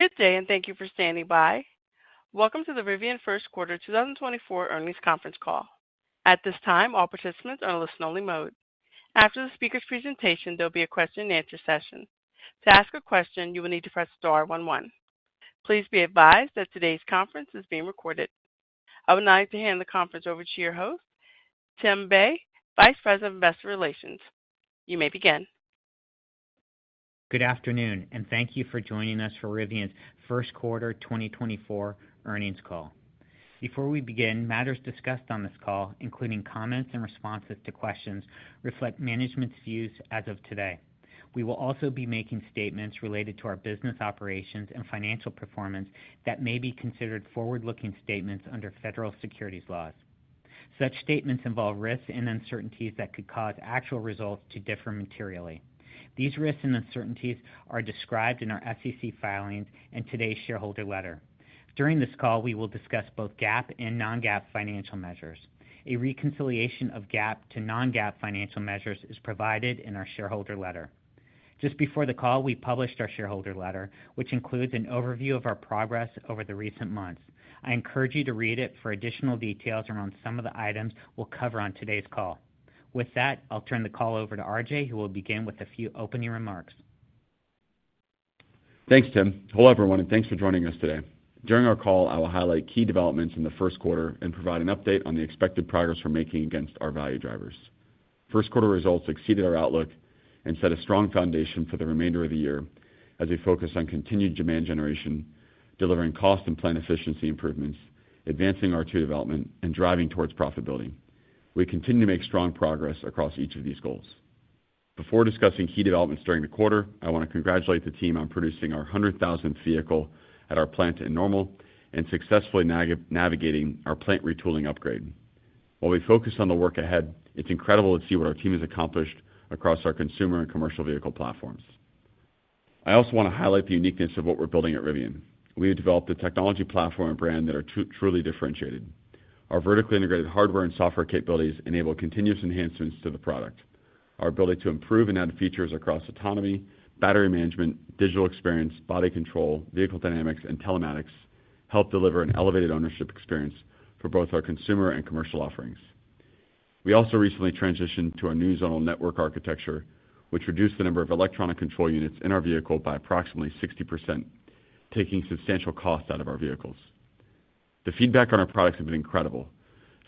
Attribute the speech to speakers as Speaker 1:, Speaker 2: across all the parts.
Speaker 1: Good day, and thank you for standing by. Welcome to the Rivian First Quarter 2024 earnings conference call. At this time, all participants are in listen-only mode. After the speaker's presentation, there'll be a question-and-answer session. To ask a question, you will need to press star one one. Please be advised that today's conference is being recorded. I would like to hand the conference over to your host, Tim Bei, Vice President of Investor Relations. You may begin.
Speaker 2: Good afternoon, and thank you for joining us for Rivian's First Quarter 2024 earnings call. Before we begin, matters discussed on this call, including comments and responses to questions, reflect management's views as of today. We will also be making statements related to our business operations and financial performance that may be considered forward-looking statements under federal securities laws. Such statements involve risks and uncertainties that could cause actual results to differ materially. These risks and uncertainties are described in our SEC filings and today's shareholder letter. During this call, we will discuss both GAAP and non-GAAP financial measures. A reconciliation of GAAP to non-GAAP financial measures is provided in our shareholder letter. Just before the call, we published our shareholder letter, which includes an overview of our progress over the recent months. I encourage you to read it for additional details around some of the items we'll cover on today's call. With that, I'll turn the call over to RJ, who will begin with a few opening remarks.
Speaker 3: Thanks, Tim. Hello everyone, and thanks for joining us today. During our call, I will highlight key developments in the first quarter and provide an update on the expected progress we're making against our value drivers. First quarter results exceeded our outlook and set a strong foundation for the remainder of the year as we focus on continued demand generation, delivering cost and plan efficiency improvements, advancing R2 development, and driving towards profitability. We continue to make strong progress across each of these goals. Before discussing key developments during the quarter, I want to congratulate the team on producing our 100,000th vehicle at our plant in Normal and successfully navigating our plant retooling upgrade. While we focus on the work ahead, it's incredible to see what our team has accomplished across our consumer and commercial vehicle platforms. I also want to highlight the uniqueness of what we're building at Rivian. We have developed a technology platform and brand that are truly differentiated. Our vertically integrated hardware and software capabilities enable continuous enhancements to the product. Our ability to improve and add features across autonomy, battery management, digital experience, body control, vehicle dynamics, and telematics help deliver an elevated ownership experience for both our consumer and commercial offerings. We also recently transitioned to our new zonal network architecture, which reduced the number of electronic control units in our vehicle by approximately 60%, taking substantial costs out of our vehicles. The feedback on our products has been incredible.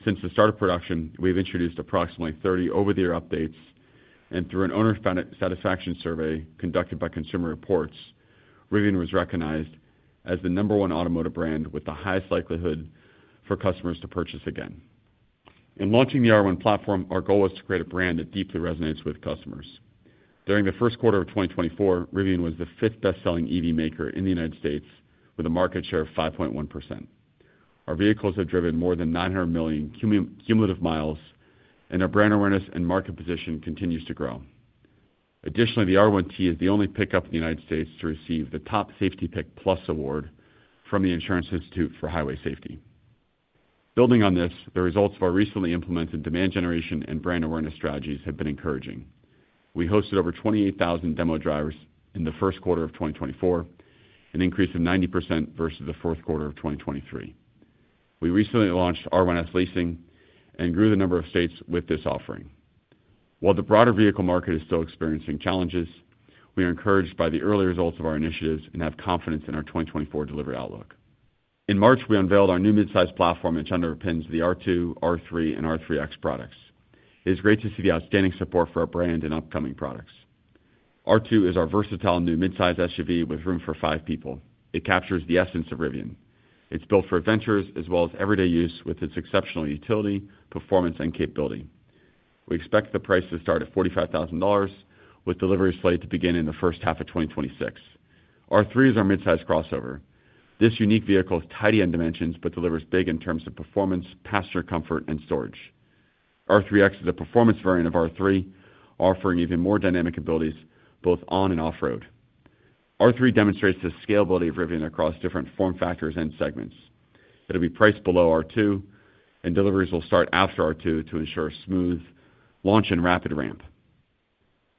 Speaker 3: Since the start of production, we've introduced approximately 30 over-the-air updates, and through an owner satisfaction survey conducted by Consumer Reports, Rivian was recognized as the number one automotive brand with the highest likelihood for customers to purchase again. In launching the R1 platform, our goal was to create a brand that deeply resonates with customers. During the first quarter of 2024, Rivian was the fifth best-selling EV maker in the United States, with a market share of 5.1%. Our vehicles have driven more than 900 million cumulative miles, and our brand awareness and market position continues to grow. Additionally, the R1T is the only pickup in the United States to receive the Top Safety Pick Plus Award from the Insurance Institute for Highway Safety. Building on this, the results of our recently implemented demand generation and brand awareness strategies have been encouraging. We hosted over 28,000 demo drivers in the first quarter of 2024, an increase of 90% versus the fourth quarter of 2023. We recently launched R1S leasing and grew the number of states with this offering. While the broader vehicle market is still experiencing challenges, we are encouraged by the early results of our initiatives and have confidence in our 2024 delivery outlook. In March, we unveiled our new midsize platform, which underpins the R2, R3, and R3X products. It is great to see the outstanding support for our brand and upcoming products. R2 is our versatile new midsize SUV with room for five people. It captures the essence of Rivian. It's built for adventures as well as everyday use with its exceptional utility, performance, and capability. We expect the price to start at $45,000, with deliveries slated to begin in the first half of 2026. R3 is our midsize crossover. This unique vehicle is tidy in dimensions but delivers big in terms of performance, passenger comfort, and storage. R3X is a performance variant of R3, offering even more dynamic abilities both on and off-road. R3 demonstrates the scalability of Rivian across different form factors and segments. It'll be priced below R2, and deliveries will start after R2 to ensure a smooth launch and rapid ramp.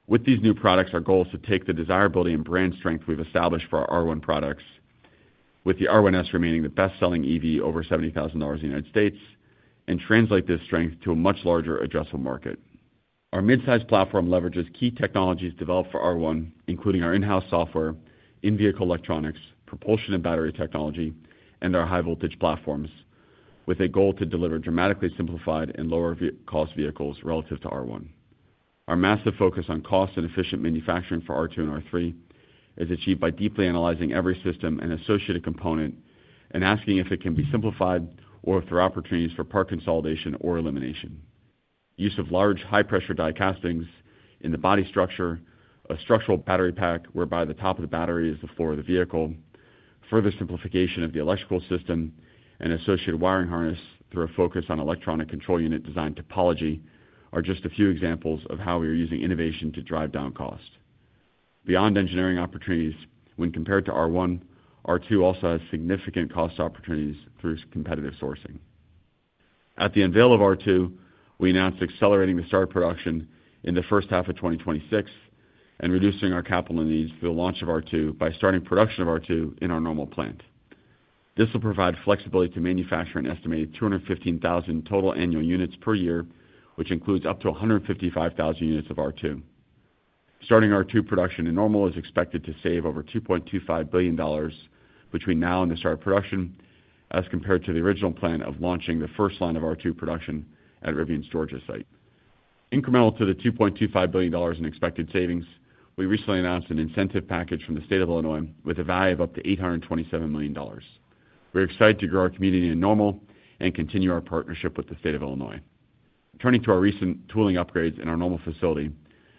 Speaker 3: With these new products, our goal is to take the desirability and brand strength we've established for our R1 products, with the R1S remaining the best-selling EV over $70,000 in the United States, and translate this strength to a much larger, addressable market. Our midsize platform leverages key technologies developed for R1, including our in-house software, in-vehicle electronics, propulsion and battery technology, and our high-voltage platforms, with a goal to deliver dramatically simplified and lower-cost vehicles relative to R1. Our massive focus on cost and efficient manufacturing for R2 and R3 is achieved by deeply analyzing every system and associated component and asking if it can be simplified or if there are opportunities for part consolidation or elimination. Use of large, high-pressure die castings in the body structure, a structural battery pack whereby the top of the battery is the floor of the vehicle, further simplification of the electrical system, and associated wiring harness through a focus on electronic control unit design topology are just a few examples of how we are using innovation to drive down cost. Beyond engineering opportunities, when compared to R1, R2 also has significant cost opportunities through competitive sourcing. At the unveil of R2, we announced accelerating the start of production in the first half of 2026 and reducing our capital needs for the launch of R2 by starting production of R2 in our Normal plant. This will provide flexibility to manufacture an estimated 215,000 total annual units per year, which includes up to 155,000 units of R2. Starting R2 production in Normal is expected to save over $2.25 billion between now and the start of production as compared to the original plan of launching the first line of R2 production at Rivian's Georgia site. Incremental to the $2.25 billion in expected savings, we recently announced an incentive package from the state of Illinois with a value of up to $827 million. We are excited to grow our community in Normal and continue our partnership with the state of Illinois. Turning to our recent tooling upgrades in our Normal facility,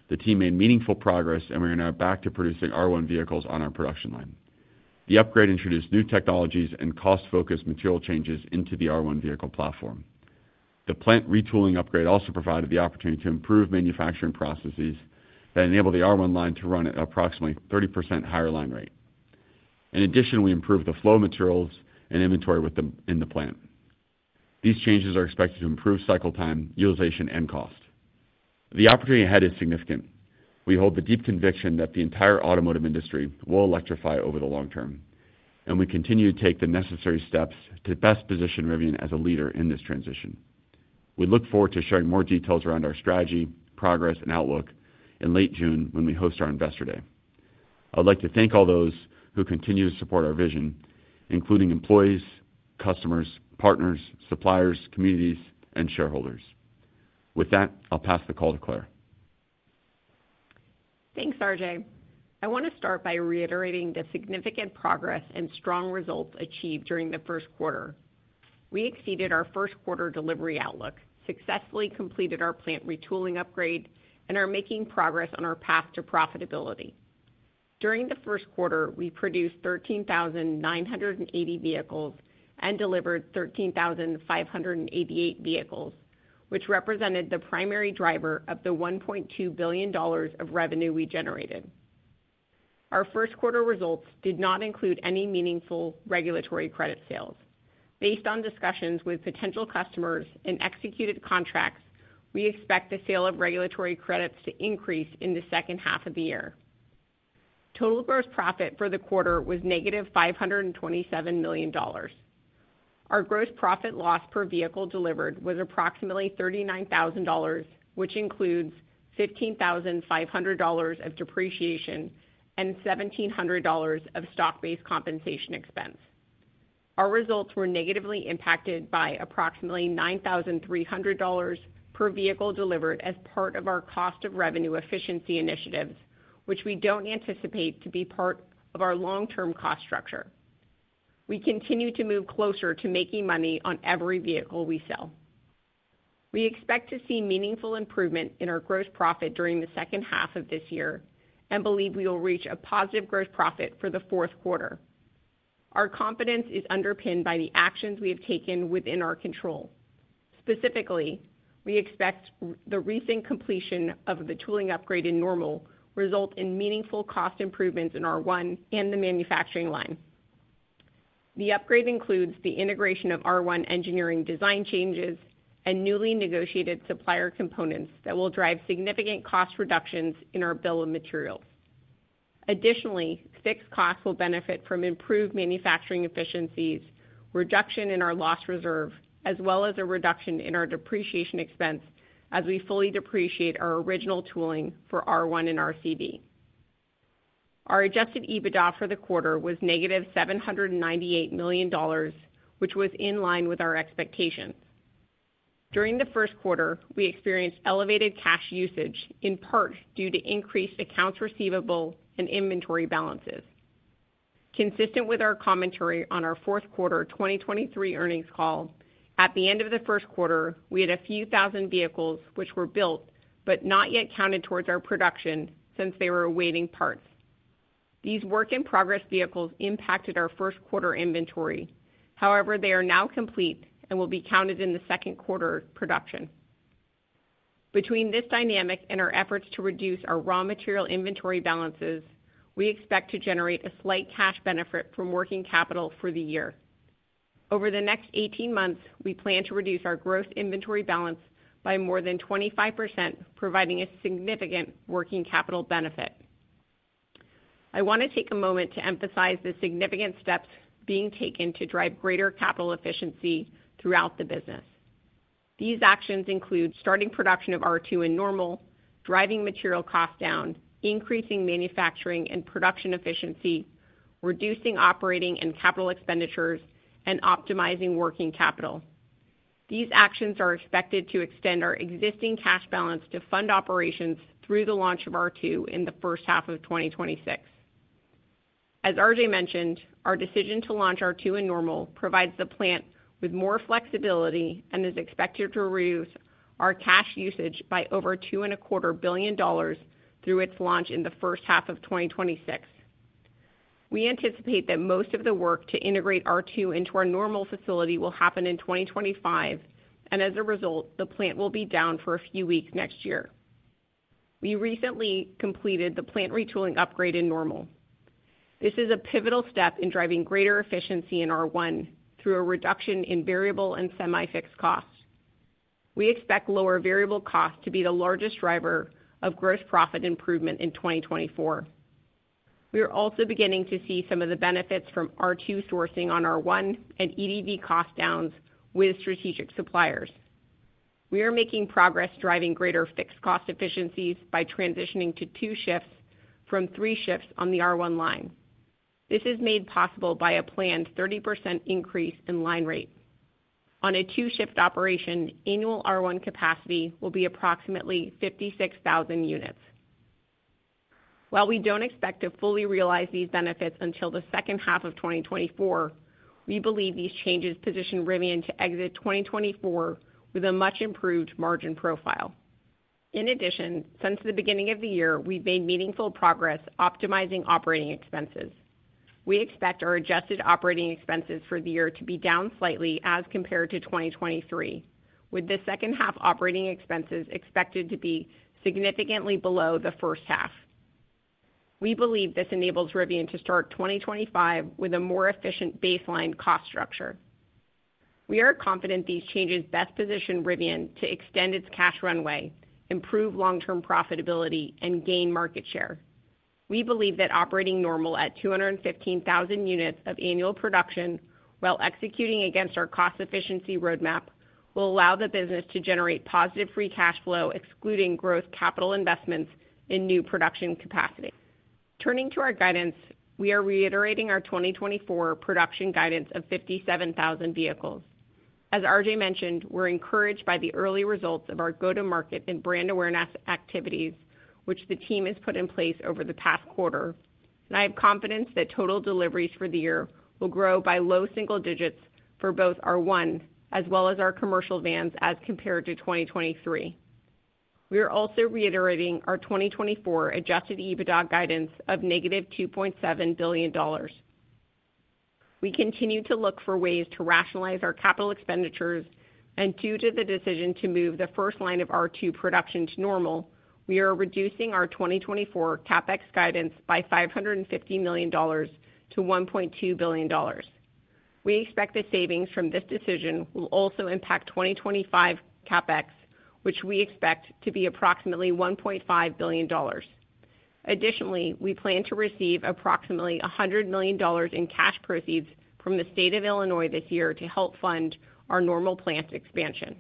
Speaker 3: the team made meaningful progress, and we are now back to producing R1 vehicles on our production line. The upgrade introduced new technologies and cost-focused material changes into the R1 vehicle platform. The plant retooling upgrade also provided the opportunity to improve manufacturing processes that enable the R1 line to run at an approximately 30% higher line rate. In addition, we improved the flow of materials and inventory in the plant. These changes are expected to improve cycle time, utilization, and cost. The opportunity ahead is significant. We hold the deep conviction that the entire automotive industry will electrify over the long term, and we continue to take the necessary steps to best position Rivian as a leader in this transition. We look forward to sharing more details around our strategy, progress, and outlook in late June when we host our investor day. I would like to thank all those who continue to support our vision, including employees, customers, partners, suppliers, communities, and shareholders. With that, I'll pass the call to Claire.
Speaker 4: Thanks, RJ. I want to start by reiterating the significant progress and strong results achieved during the first quarter. We exceeded our first quarter delivery outlook, successfully completed our plant retooling upgrade, and are making progress on our path to profitability. During the first quarter, we produced 13,980 vehicles and delivered 13,588 vehicles, which represented the primary driver of the $1.2 billion of revenue we generated. Our first quarter results did not include any meaningful regulatory credit sales. Based on discussions with potential customers and executed contracts, we expect the sale of regulatory credits to increase in the second half of the year. Total gross profit for the quarter was -$527 million. Our gross profit loss per vehicle delivered was approximately $39,000, which includes $15,500 of depreciation and $1,700 of stock-based compensation expense. Our results were negatively impacted by approximately $9,300 per vehicle delivered as part of our cost-of-revenue efficiency initiatives, which we don't anticipate to be part of our long-term cost structure. We continue to move closer to making money on every vehicle we sell. We expect to see meaningful improvement in our gross profit during the second half of this year and believe we will reach a positive gross profit for the fourth quarter. Our confidence is underpinned by the actions we have taken within our control. Specifically, we expect the recent completion of the tooling upgrade in Normal to result in meaningful cost improvements in R1 and the manufacturing line. The upgrade includes the integration of R1 engineering design changes and newly negotiated supplier components that will drive significant cost reductions in our bill of materials. Additionally, fixed costs will benefit from improved manufacturing efficiencies, reduction in our loss reserve, as well as a reduction in our depreciation expense as we fully depreciate our original tooling for R1 and RCV. Our Adjusted EBITDA for the quarter was -$798 million, which was in line with our expectations. During the first quarter, we experienced elevated cash usage in part due to increased accounts receivable and inventory balances. Consistent with our commentary on our fourth quarter 2023 earnings call, at the end of the first quarter, we had a few thousand vehicles which were built but not yet counted towards our production since they were awaiting parts. These work-in-progress vehicles impacted our first quarter inventory. However, they are now complete and will be counted in the second quarter production. Between this dynamic and our efforts to reduce our raw material inventory balances, we expect to generate a slight cash benefit from working capital for the year. Over the next 18 months, we plan to reduce our gross inventory balance by more than 25%, providing a significant working capital benefit. I want to take a moment to emphasize the significant steps being taken to drive greater capital efficiency throughout the business. These actions include starting production of R2 in Normal, driving material costs down, increasing manufacturing and production efficiency, reducing operating and capital expenditures, and optimizing working capital. These actions are expected to extend our existing cash balance to fund operations through the launch of R2 in the first half of 2026. As RJ mentioned, our decision to launch R2 in Normal provides the plant with more flexibility and is expected to reduce our cash usage by over $2.25 billion through its launch in the first half of 2026. We anticipate that most of the work to integrate R2 into our Normal facility will happen in 2025, and as a result, the plant will be down for a few weeks next year. We recently completed the plant retooling upgrade in Normal. This is a pivotal step in driving greater efficiency in R1 through a reduction in variable and semi-fixed costs. We expect lower variable costs to be the largest driver of gross profit improvement in 2024. We are also beginning to see some of the benefits from R2 sourcing on R1 and EDV cost downs with strategic suppliers. We are making progress driving greater fixed cost efficiencies by transitioning to two shifts from three shifts on the R1 line. This is made possible by a planned 30% increase in line rate. On a two-shift operation, annual R1 capacity will be approximately 56,000 units. While we don't expect to fully realize these benefits until the second half of 2024, we believe these changes position Rivian to exit 2024 with a much improved margin profile. In addition, since the beginning of the year, we've made meaningful progress optimizing operating expenses. We expect our adjusted operating expenses for the year to be down slightly as compared to 2023, with the second half operating expenses expected to be significantly below the first half. We believe this enables Rivian to start 2025 with a more efficient baseline cost structure. We are confident these changes best position Rivian to extend its cash runway, improve long-term profitability, and gain market share. We believe that operating Normal at 215,000 units of annual production while executing against our cost efficiency roadmap will allow the business to generate positive free cash flow, excluding gross capital investments in new production capacity. Turning to our guidance, we are reiterating our 2024 production guidance of 57,000 vehicles. As RJ mentioned, we're encouraged by the early results of our go-to-market and brand awareness activities, which the team has put in place over the past quarter, and I have confidence that total deliveries for the year will grow by low single digits for both R1 as well as our commercial vans as compared to 2023. We are also reiterating our 2024 adjusted EBITDA guidance of -$2.7 billion. We continue to look for ways to rationalize our capital expenditures, and due to the decision to move the first line of R2 production to Normal, we are reducing our 2024 CapEx guidance by $550 million to $1.2 billion. We expect the savings from this decision will also impact 2025 CapEx, which we expect to be approximately $1.5 billion. Additionally, we plan to receive approximately $100 million in cash proceeds from the state of Illinois this year to help fund our Normal plant expansion.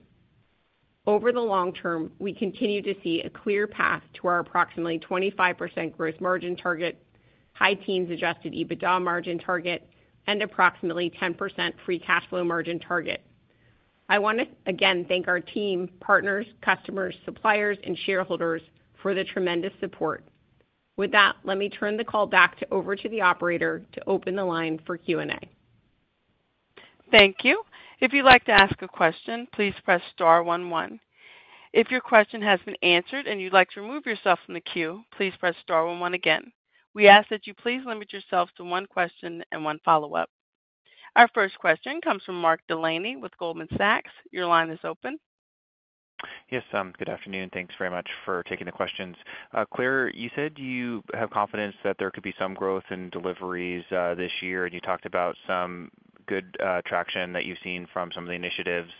Speaker 4: Over the long term, we continue to see a clear path to our approximately 25% gross margin target, high teens Adjusted EBITDA margin target, and approximately 10% free cash flow margin target. I want to again thank our team, partners, customers, suppliers, and shareholders for the tremendous support. With that, let me turn the call back over to the operator to open the line for Q&A.
Speaker 1: Thank you. If you'd like to ask a question, please press star one one. If your question has been answered and you'd like to remove yourself from the queue, please press star one one again. We ask that you please limit yourself to one question and one follow-up. Our first question comes from Mark Delaney with Goldman Sachs. Your line is open.
Speaker 5: Yes, good afternoon. Thanks very much for taking the questions. Claire, you said you have confidence that there could be some growth in deliveries this year, and you talked about some good traction that you've seen from some of the initiatives,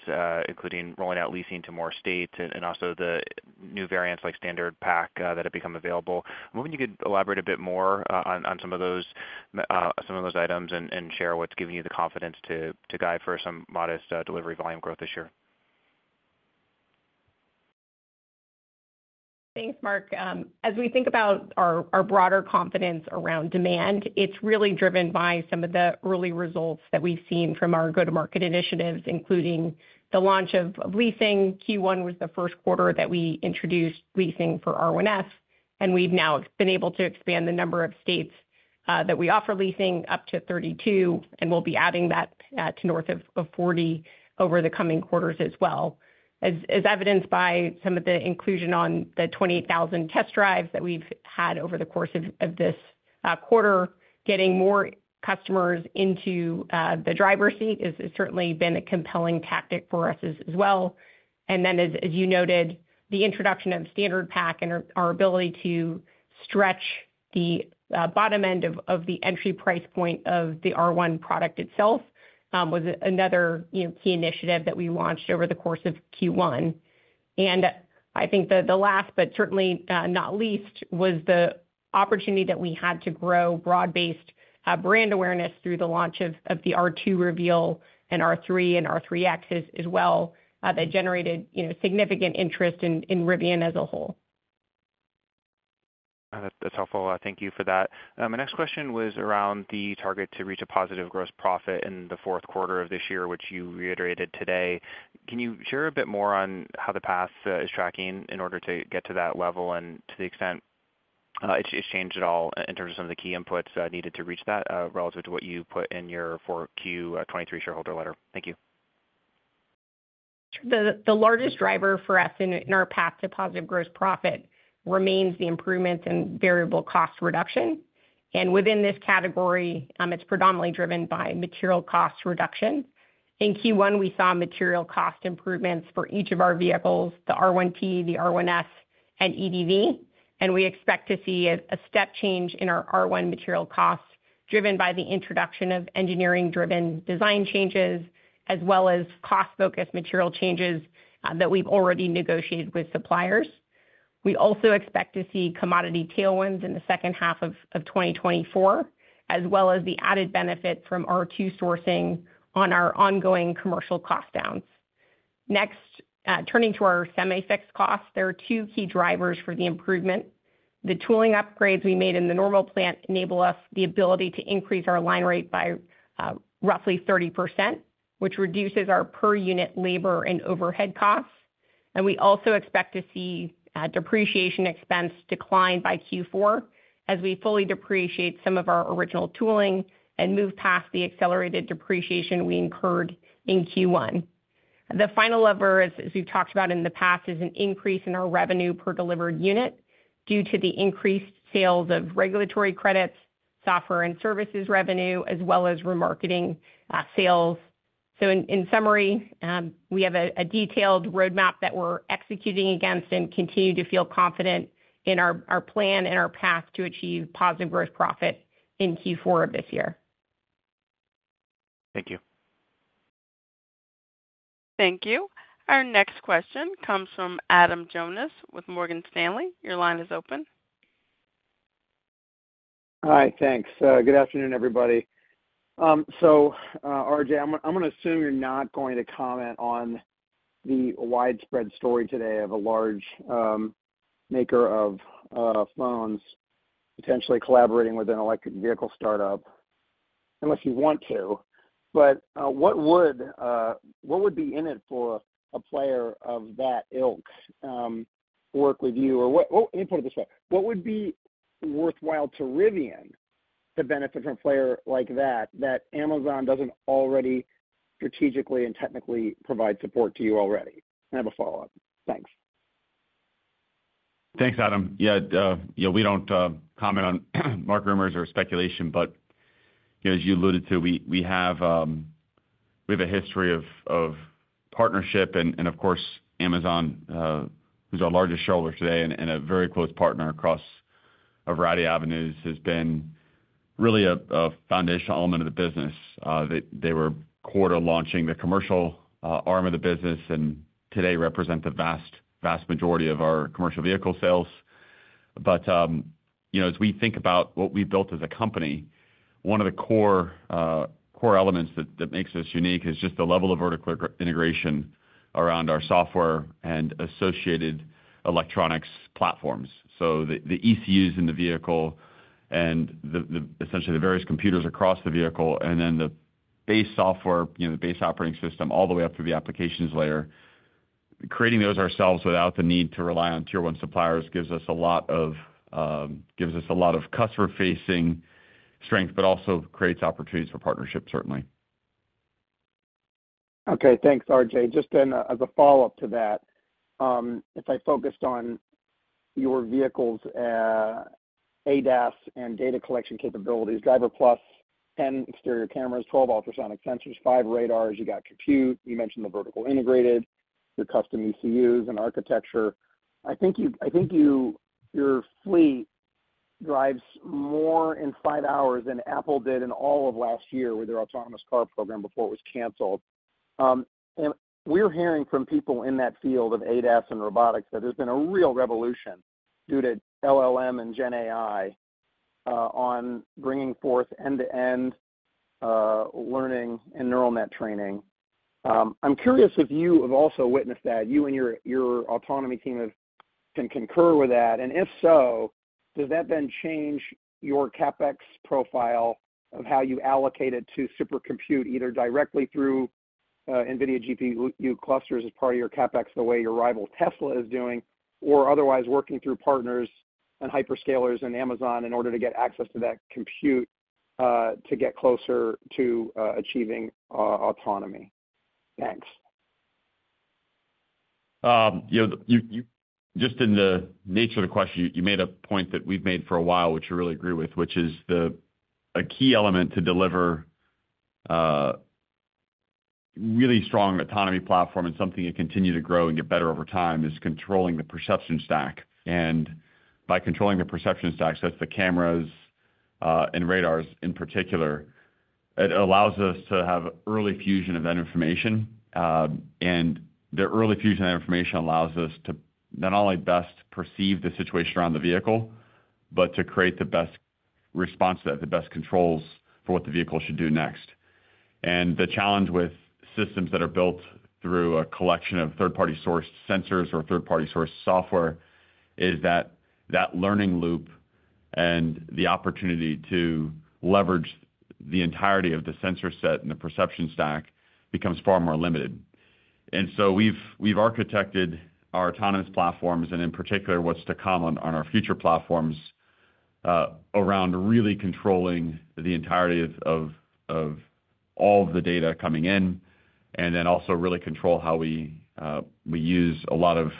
Speaker 5: including rolling out leasing to more states and also the new variants like standard pack that have become available. I'm hoping you could elaborate a bit more on some of those items and share what's giving you the confidence to guide for some modest delivery volume growth this year.
Speaker 4: Thanks, Mark. As we think about our broader confidence around demand, it's really driven by some of the early results that we've seen from our go-to-market initiatives, including the launch of leasing. Q1 was the first quarter that we introduced leasing for R1S, and we've now been able to expand the number of states that we offer leasing up to 32, and we'll be adding that to north of 40 over the coming quarters as well. As evidenced by some of the inclusion on the 28,000 test drives that we've had over the course of this quarter, getting more customers into the driver's seat has certainly been a compelling tactic for us as well. And then, as you noted, the introduction of standard pack and our ability to stretch the bottom end of the entry price point of the R1 product itself was another key initiative that we launched over the course of Q1. And I think the last, but certainly not least, was the opportunity that we had to grow broad-based brand awareness through the launch of the R2 reveal and R3 and R3X as well that generated significant interest in Rivian as a whole.
Speaker 5: That's helpful. Thank you for that. My next question was around the target to reach a positive gross profit in the fourth quarter of this year, which you reiterated today. Can you share a bit more on how the path is tracking in order to get to that level and to the extent it's changed at all in terms of some of the key inputs needed to reach that relative to what you put in your 4Q 2023 shareholder letter? Thank you.
Speaker 4: The largest driver for us in our path to positive gross profit remains the improvements in variable cost reduction. Within this category, it's predominantly driven by material cost reduction. In Q1, we saw material cost improvements for each of our vehicles, the R1T, the R1S, and EDV. We expect to see a step change in our R1 material costs driven by the introduction of engineering-driven design changes as well as cost-focused material changes that we've already negotiated with suppliers. We also expect to see commodity tailwinds in the second half of 2024 as well as the added benefit from R2 sourcing on our ongoing commercial cost downs. Next, turning to our semi-fixed costs, there are two key drivers for the improvement. The tooling upgrades we made in the Normal plant enable us the ability to increase our line rate by roughly 30%, which reduces our per-unit labor and overhead costs. We also expect to see depreciation expense decline by Q4 as we fully depreciate some of our original tooling and move past the accelerated depreciation we incurred in Q1. The final lever, as we've talked about in the past, is an increase in our revenue per delivered unit due to the increased sales of regulatory credits, software and services revenue, as well as remarketing sales. In summary, we have a detailed roadmap that we're executing against and continue to feel confident in our plan and our path to achieve positive gross profit in Q4 of this year.
Speaker 5: Thank you.
Speaker 1: Thank you. Our next question comes from Adam Jonas with Morgan Stanley. Your line is open.
Speaker 6: Hi, thanks. Good afternoon, everybody. So RJ, I'm going to assume you're not going to comment on the widespread story today of a large maker of phones potentially collaborating with an electric vehicle startup unless you want to. But what would be in it for a player of that ilk to work with you? Or let me put it this way. What would be worthwhile to Rivian to benefit from a player like that that Amazon doesn't already strategically and technically provide support to you already? I have a follow-up. Thanks.
Speaker 3: Thanks, Adam. Yeah, we don't comment on M&A rumors or speculation, but as you alluded to, we have a history of partnership. And of course, Amazon, who's our largest shareholder today and a very close partner across a variety of avenues, has been really a foundational element of the business. They were key to launching the commercial arm of the business and today represent the vast majority of our commercial vehicle sales. But as we think about what we've built as a company, one of the core elements that makes us unique is just the level of vertical integration around our software and associated electronics platforms. The ECUs in the vehicle and essentially the various computers across the vehicle and then the base software, the base operating system, all the way up through the applications layer, creating those ourselves without the need to rely on tier one suppliers gives us a lot of customer-facing strength, but also creates opportunities for partnership, certainly.
Speaker 6: Okay, thanks, RJ. Just then as a follow-up to that, if I focused on your vehicles' ADAS and data collection capabilities, Driver+, 10 exterior cameras, 12 ultrasonic sensors, five radars, you got compute, you mentioned the vertically integrated, your custom ECUs and architecture. I think your fleet drives more in five hours than Apple did in all of last year with their autonomous car program before it was canceled. We're hearing from people in that field of ADAS and robotics that there's been a real revolution due to LLM and GenAI on bringing forth end-to-end learning and neural net training. I'm curious if you have also witnessed that, you and your autonomy team can concur with that. If so, does that then change your CapEx profile of how you allocate it to supercompute either directly through NVIDIA GPU clusters as part of your CapEx the way your rival Tesla is doing, or otherwise working through partners and hyperscalers and Amazon in order to get access to that compute to get closer to achieving autonomy? Thanks.
Speaker 3: Just in the nature of the question, you made a point that we've made for a while, which I really agree with, which is a key element to deliver really strong autonomy platform and something to continue to grow and get better over time is controlling the perception stack. And by controlling the perception stack, so that's the cameras and radars in particular, it allows us to have early fusion of that information. And the early fusion of that information allows us to not only best perceive the situation around the vehicle, but to create the best response to that, the best controls for what the vehicle should do next. The challenge with systems that are built through a collection of third-party sourced sensors or third-party sourced software is that learning loop and the opportunity to leverage the entirety of the sensor set and the perception stack becomes far more limited. So we've architected our autonomous platforms and in particular what's to come on our future platforms around really controlling the entirety of all of the data coming in and then also really control how we use a lot of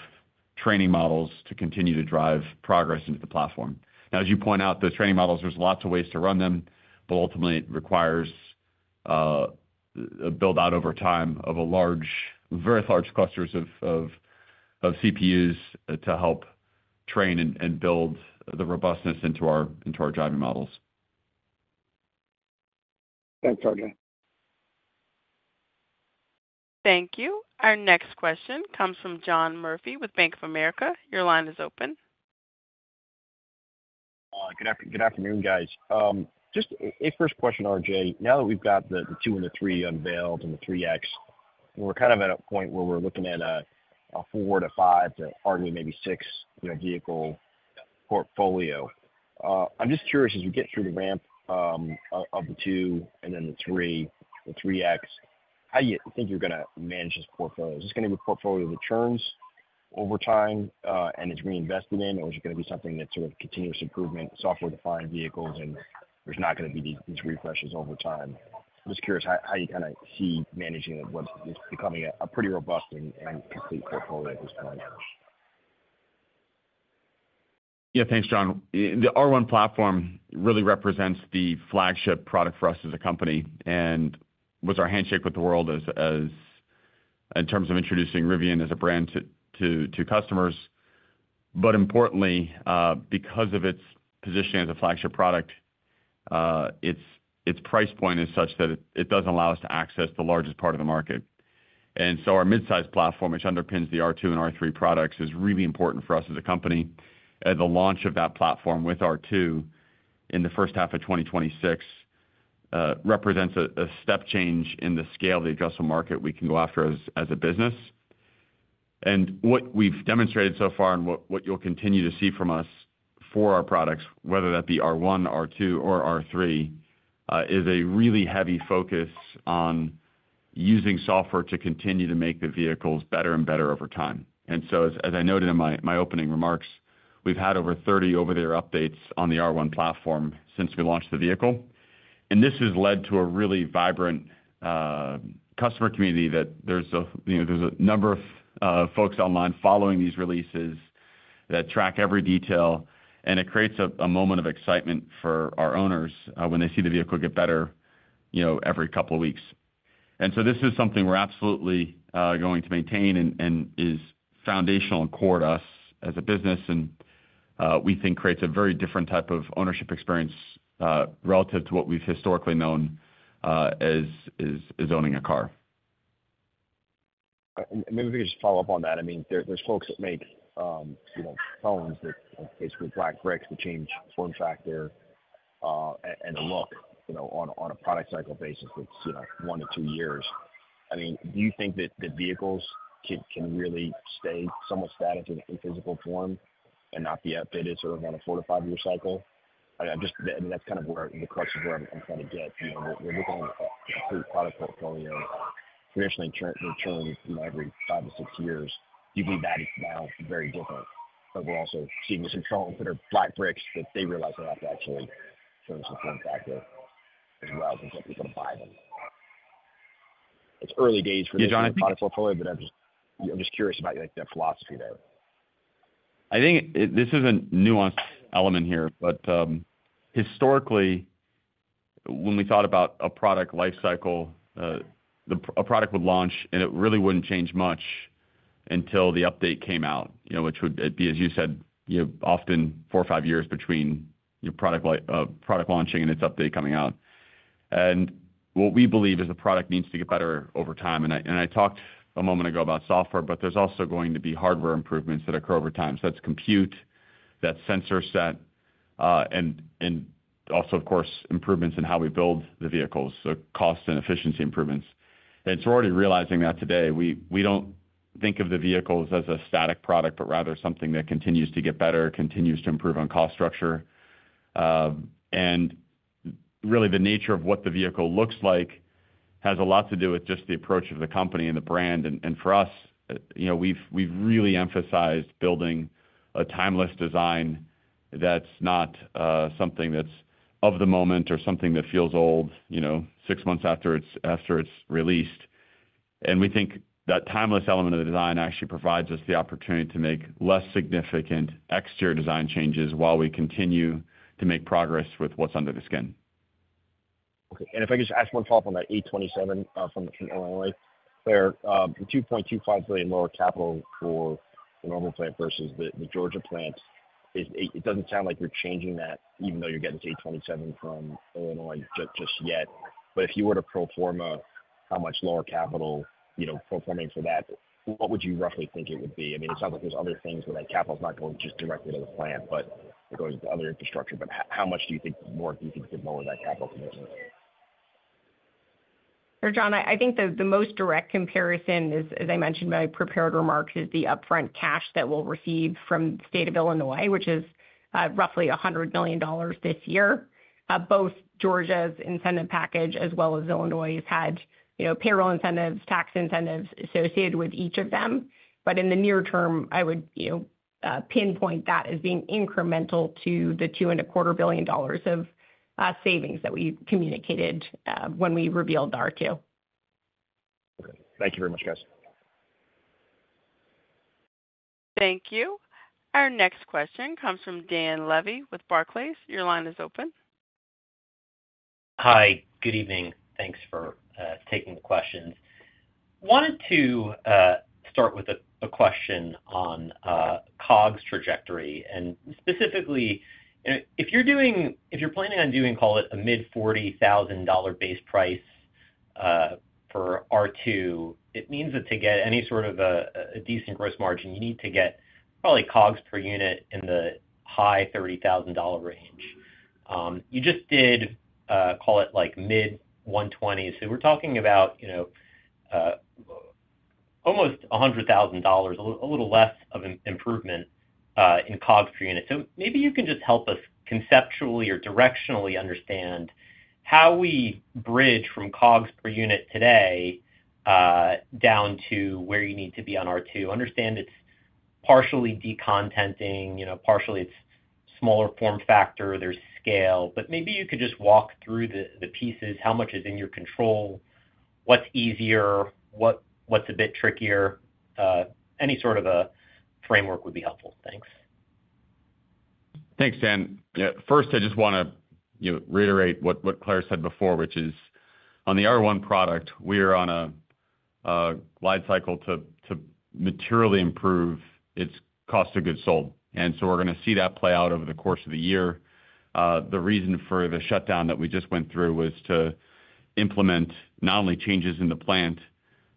Speaker 3: training models to continue to drive progress into the platform. Now, as you point out, those training models, there's lots of ways to run them, but ultimately it requires a build-out over time of very large clusters of CPUs to help train and build the robustness into our driving models.
Speaker 6: Thanks, RJ.
Speaker 1: Thank you. Our next question comes from John Murphy with Bank of America. Your line is open.
Speaker 7: Good afternoon, guys. Just a first question, RJ. Now that we've got the R2 and the R3 unveiled and the R3X, we're kind of at a point where we're looking at a four to five to arguably maybe six vehicle portfolio. I'm just curious, as we get through the ramp of the R2 and then the R3X, how do you think you're going to manage this portfolio? Is this going to be a portfolio that churns over time and is reinvested in, or is it going to be something that's sort of continuous improvement, software-defined vehicles, and there's not going to be these refreshes over time? I'm just curious how you kind of see managing what's becoming a pretty robust and complete portfolio at this point.
Speaker 3: Yeah, thanks, John. The R1 platform really represents the flagship product for us as a company and was our handshake with the world in terms of introducing Rivian as a brand to customers. But importantly, because of its positioning as a flagship product, its price point is such that it doesn't allow us to access the largest part of the market. And so our midsize platform, which underpins the R2 and R3 products, is really important for us as a company. The launch of that platform with R2 in the first half of 2026 represents a step change in the scale of the addressable market we can go after as a business. What we've demonstrated so far and what you'll continue to see from us for our products, whether that be R1, R2, or R3, is a really heavy focus on using software to continue to make the vehicles better and better over time. And so as I noted in my opening remarks, we've had over 30 over-the-air updates on the R1 platform since we launched the vehicle. And this has led to a really vibrant customer community that there's a number of folks online following these releases that track every detail. And it creates a moment of excitement for our owners when they see the vehicle get better every couple of weeks. And so this is something we're absolutely going to maintain and is foundational and core to us as a business. And we think creates a very different type of ownership experience relative to what we've historically known as owning a car.
Speaker 7: And maybe if we could just follow up on that. I mean, there's folks that make phones that, in case we're black bricks, that change form factor and the look on a product cycle basis that's one to two years. I mean, do you think that vehicles can really stay somewhat static in physical form and not be updated sort of on a four to five-year cycle? I mean, that's kind of where the crux is where I'm trying to get. We're looking at a complete product portfolio traditionally churned every five to six years. Do you believe that is now very different? But we're also seeing some phones that are black bricks that they realize they have to actually change the form factor as well to get people to buy them. It's early days for this product portfolio, but I'm just curious about the philosophy there.
Speaker 3: I think this is a nuanced element here. But historically, when we thought about a product lifecycle, a product would launch and it really wouldn't change much until the update came out, which would be, as you said, often four or five years between product launching and its update coming out. And what we believe is the product needs to get better over time. And I talked a moment ago about software, but there's also going to be hardware improvements that occur over time. So that's compute, that sensor set, and also, of course, improvements in how we build the vehicles, so cost and efficiency improvements. And so we're already realizing that today. We don't think of the vehicles as a static product, but rather something that continues to get better, continues to improve on cost structure. And really, the nature of what the vehicle looks like has a lot to do with just the approach of the company and the brand. And for us, we've really emphasized building a timeless design that's not something that's of the moment or something that feels old six months after it's released. And we think that timeless element of the design actually provides us the opportunity to make less significant exterior design changes while we continue to make progress with what's under the skin.
Speaker 7: Okay. And if I could just ask one follow-up on that $827 million from Illinois, Claire, the $2.25 billion lower capital for the Normal plant versus the Georgia plant, it doesn't sound like you're changing that even though you're getting to $827 million from Illinois just yet. But if you were to pro forma how much lower capital pro forming for that, what would you roughly think it would be? I mean, it sounds like there's other things where that capital's not going just directly to the plant, but it goes to other infrastructure. But how much do you think more do you think you could lower that capital commitment?
Speaker 4: Sure, John. I think the most direct comparison, as I mentioned in my prepared remarks, is the upfront cash that we'll receive from the state of Illinois, which is roughly $100 million this year. Both Georgia's incentive package as well as Illinois has had payroll incentives, tax incentives associated with each of them. But in the near term, I would pinpoint that as being incremental to the $2.25 billion of savings that we communicated when we revealed the R2.
Speaker 7: Okay. Thank you very much, guys.
Speaker 1: Thank you. Our next question comes from Dan Levy with Barclays. Your line is open.
Speaker 8: Hi. Good evening. Thanks for taking the questions. Wanted to start with a question on COGS trajectory. Specifically, if you're planning on doing, call it, a mid-$40,000 base price for R2, it means that to get any sort of a decent gross margin, you need to get probably COGS per unit in the high-$30,000 range. You just did, call it, mid-$120,000. So we're talking about almost $100,000, a little less of improvement in COGS per unit. Maybe you can just help us conceptually or directionally understand how we bridge from COGS per unit today down to where you need to be on R2. Understand it's partially decontenting, partially it's smaller form factor, there's scale. Maybe you could just walk through the pieces, how much is in your control, what's easier, what's a bit trickier. Any sort of a framework would be helpful. Thanks.
Speaker 3: Thanks, Dan. First, I just want to reiterate what Claire said before, which is on the R1 product, we are on a glide cycle to materially improve its cost of goods sold. And so we're going to see that play out over the course of the year. The reason for the shutdown that we just went through was to implement not only changes in the plant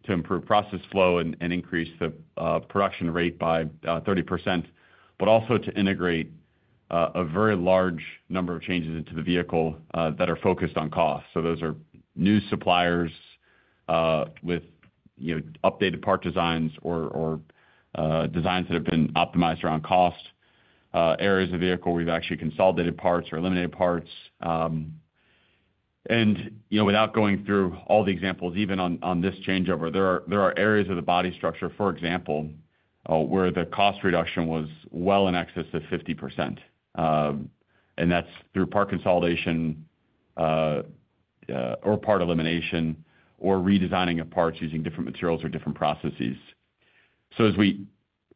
Speaker 3: to improve process flow and increase the production rate by 30%, but also to integrate a very large number of changes into the vehicle that are focused on cost. So those are new suppliers with updated part designs or designs that have been optimized around cost, areas of vehicle we've actually consolidated parts or eliminated parts. Without going through all the examples, even on this changeover, there are areas of the body structure, for example, where the cost reduction was well in excess of 50%. That's through part consolidation or part elimination or redesigning of parts using different materials or different processes. As we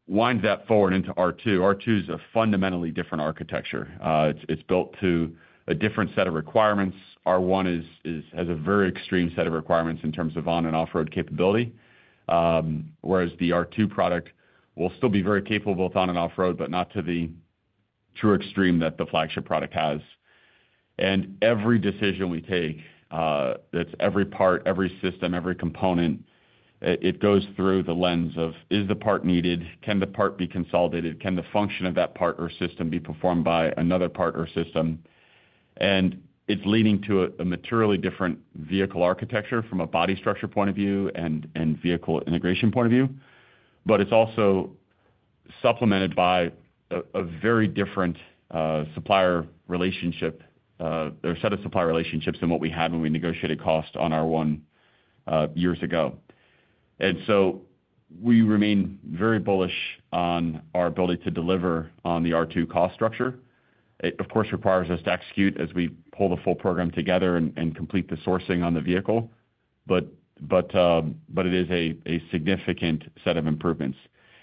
Speaker 3: wind that forward into R2, R2 is a fundamentally different architecture. It's built to a different set of requirements. R1 has a very extreme set of requirements in terms of on- and off-road capability, whereas the R2 product will still be very capable both on and off-road, but not to the true extreme that the flagship product has. Every decision we take, that's every part, every system, every component, it goes through the lens of, is the part needed? Can the part be consolidated? Can the function of that part or system be performed by another part or system? It's leading to a materially different vehicle architecture from a body structure point of view and vehicle integration point of view. But it's also supplemented by a very different supplier relationship or set of supplier relationships than what we had when we negotiated cost on R1 years ago. So we remain very bullish on our ability to deliver on the R2 cost structure. It, of course, requires us to execute as we pull the full program together and complete the sourcing on the vehicle. But it is a significant set of improvements.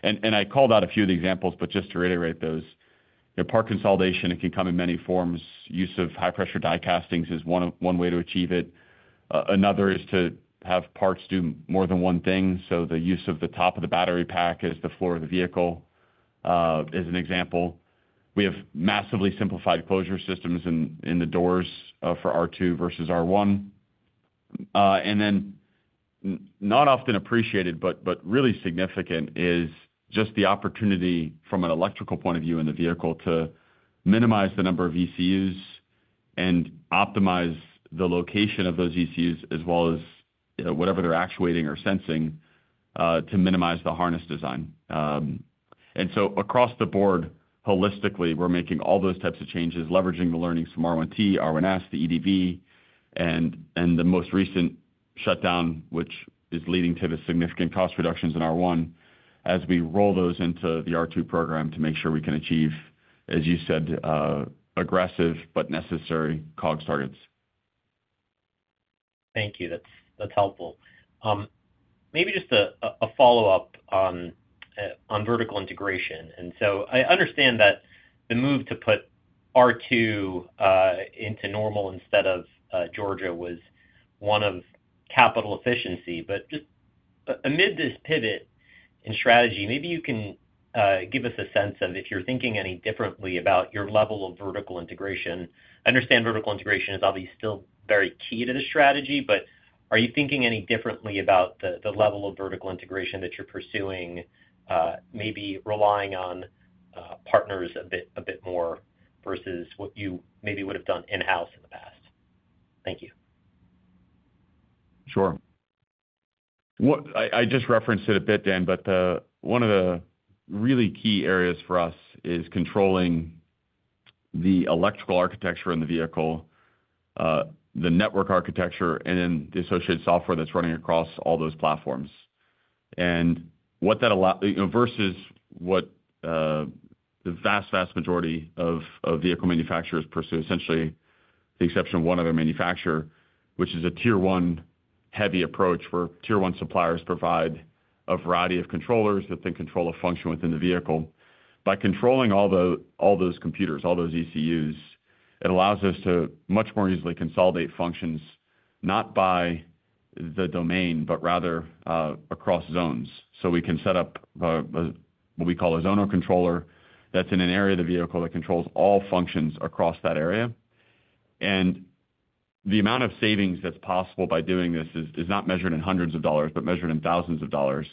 Speaker 3: I called out a few of the examples, but just to reiterate those, part consolidation, it can come in many forms. Use of high-pressure die castings is one way to achieve it. Another is to have parts do more than one thing. So the use of the top of the battery pack as the floor of the vehicle is an example. We have massively simplified closure systems in the doors for R2 versus R1. And then not often appreciated, but really significant, is just the opportunity from an electrical point of view in the vehicle to minimize the number of ECUs and optimize the location of those ECUs as well as whatever they're actuating or sensing to minimize the harness design. And so across the board, holistically, we're making all those types of changes, leveraging the learnings from R1T, R1S, the EDV, and the most recent shutdown, which is leading to the significant cost reductions in R1, as we roll those into the R2 program to make sure we can achieve, as you said, aggressive but necessary COGS targets.
Speaker 8: Thank you. That's helpful. Maybe just a follow-up on vertical integration. And so I understand that the move to put R2 into Normal instead of Georgia was one of capital efficiency. But just amid this pivot in strategy, maybe you can give us a sense of if you're thinking any differently about your level of vertical integration. I understand vertical integration is obviously still very key to the strategy, but are you thinking any differently about the level of vertical integration that you're pursuing, maybe relying on partners a bit more versus what you maybe would have done in-house in the past? Thank you.
Speaker 3: Sure. I just referenced it a bit, Dan, but one of the really key areas for us is controlling the electrical architecture in the vehicle, the network architecture, and then the associated software that's running across all those platforms. What that allows versus what the vast, vast majority of vehicle manufacturers pursue, essentially the exception of one other manufacturer, which is a tier-one heavy approach where tier-one suppliers provide a variety of controllers that then control a function within the vehicle. By controlling all those computers, all those ECUs, it allows us to much more easily consolidate functions not by the domain, but rather across zones. We can set up what we call a zonal controller that's in an area of the vehicle that controls all functions across that area. The amount of savings that's possible by doing this is not measured in hundreds of dollars, but measured in thousands of dollars.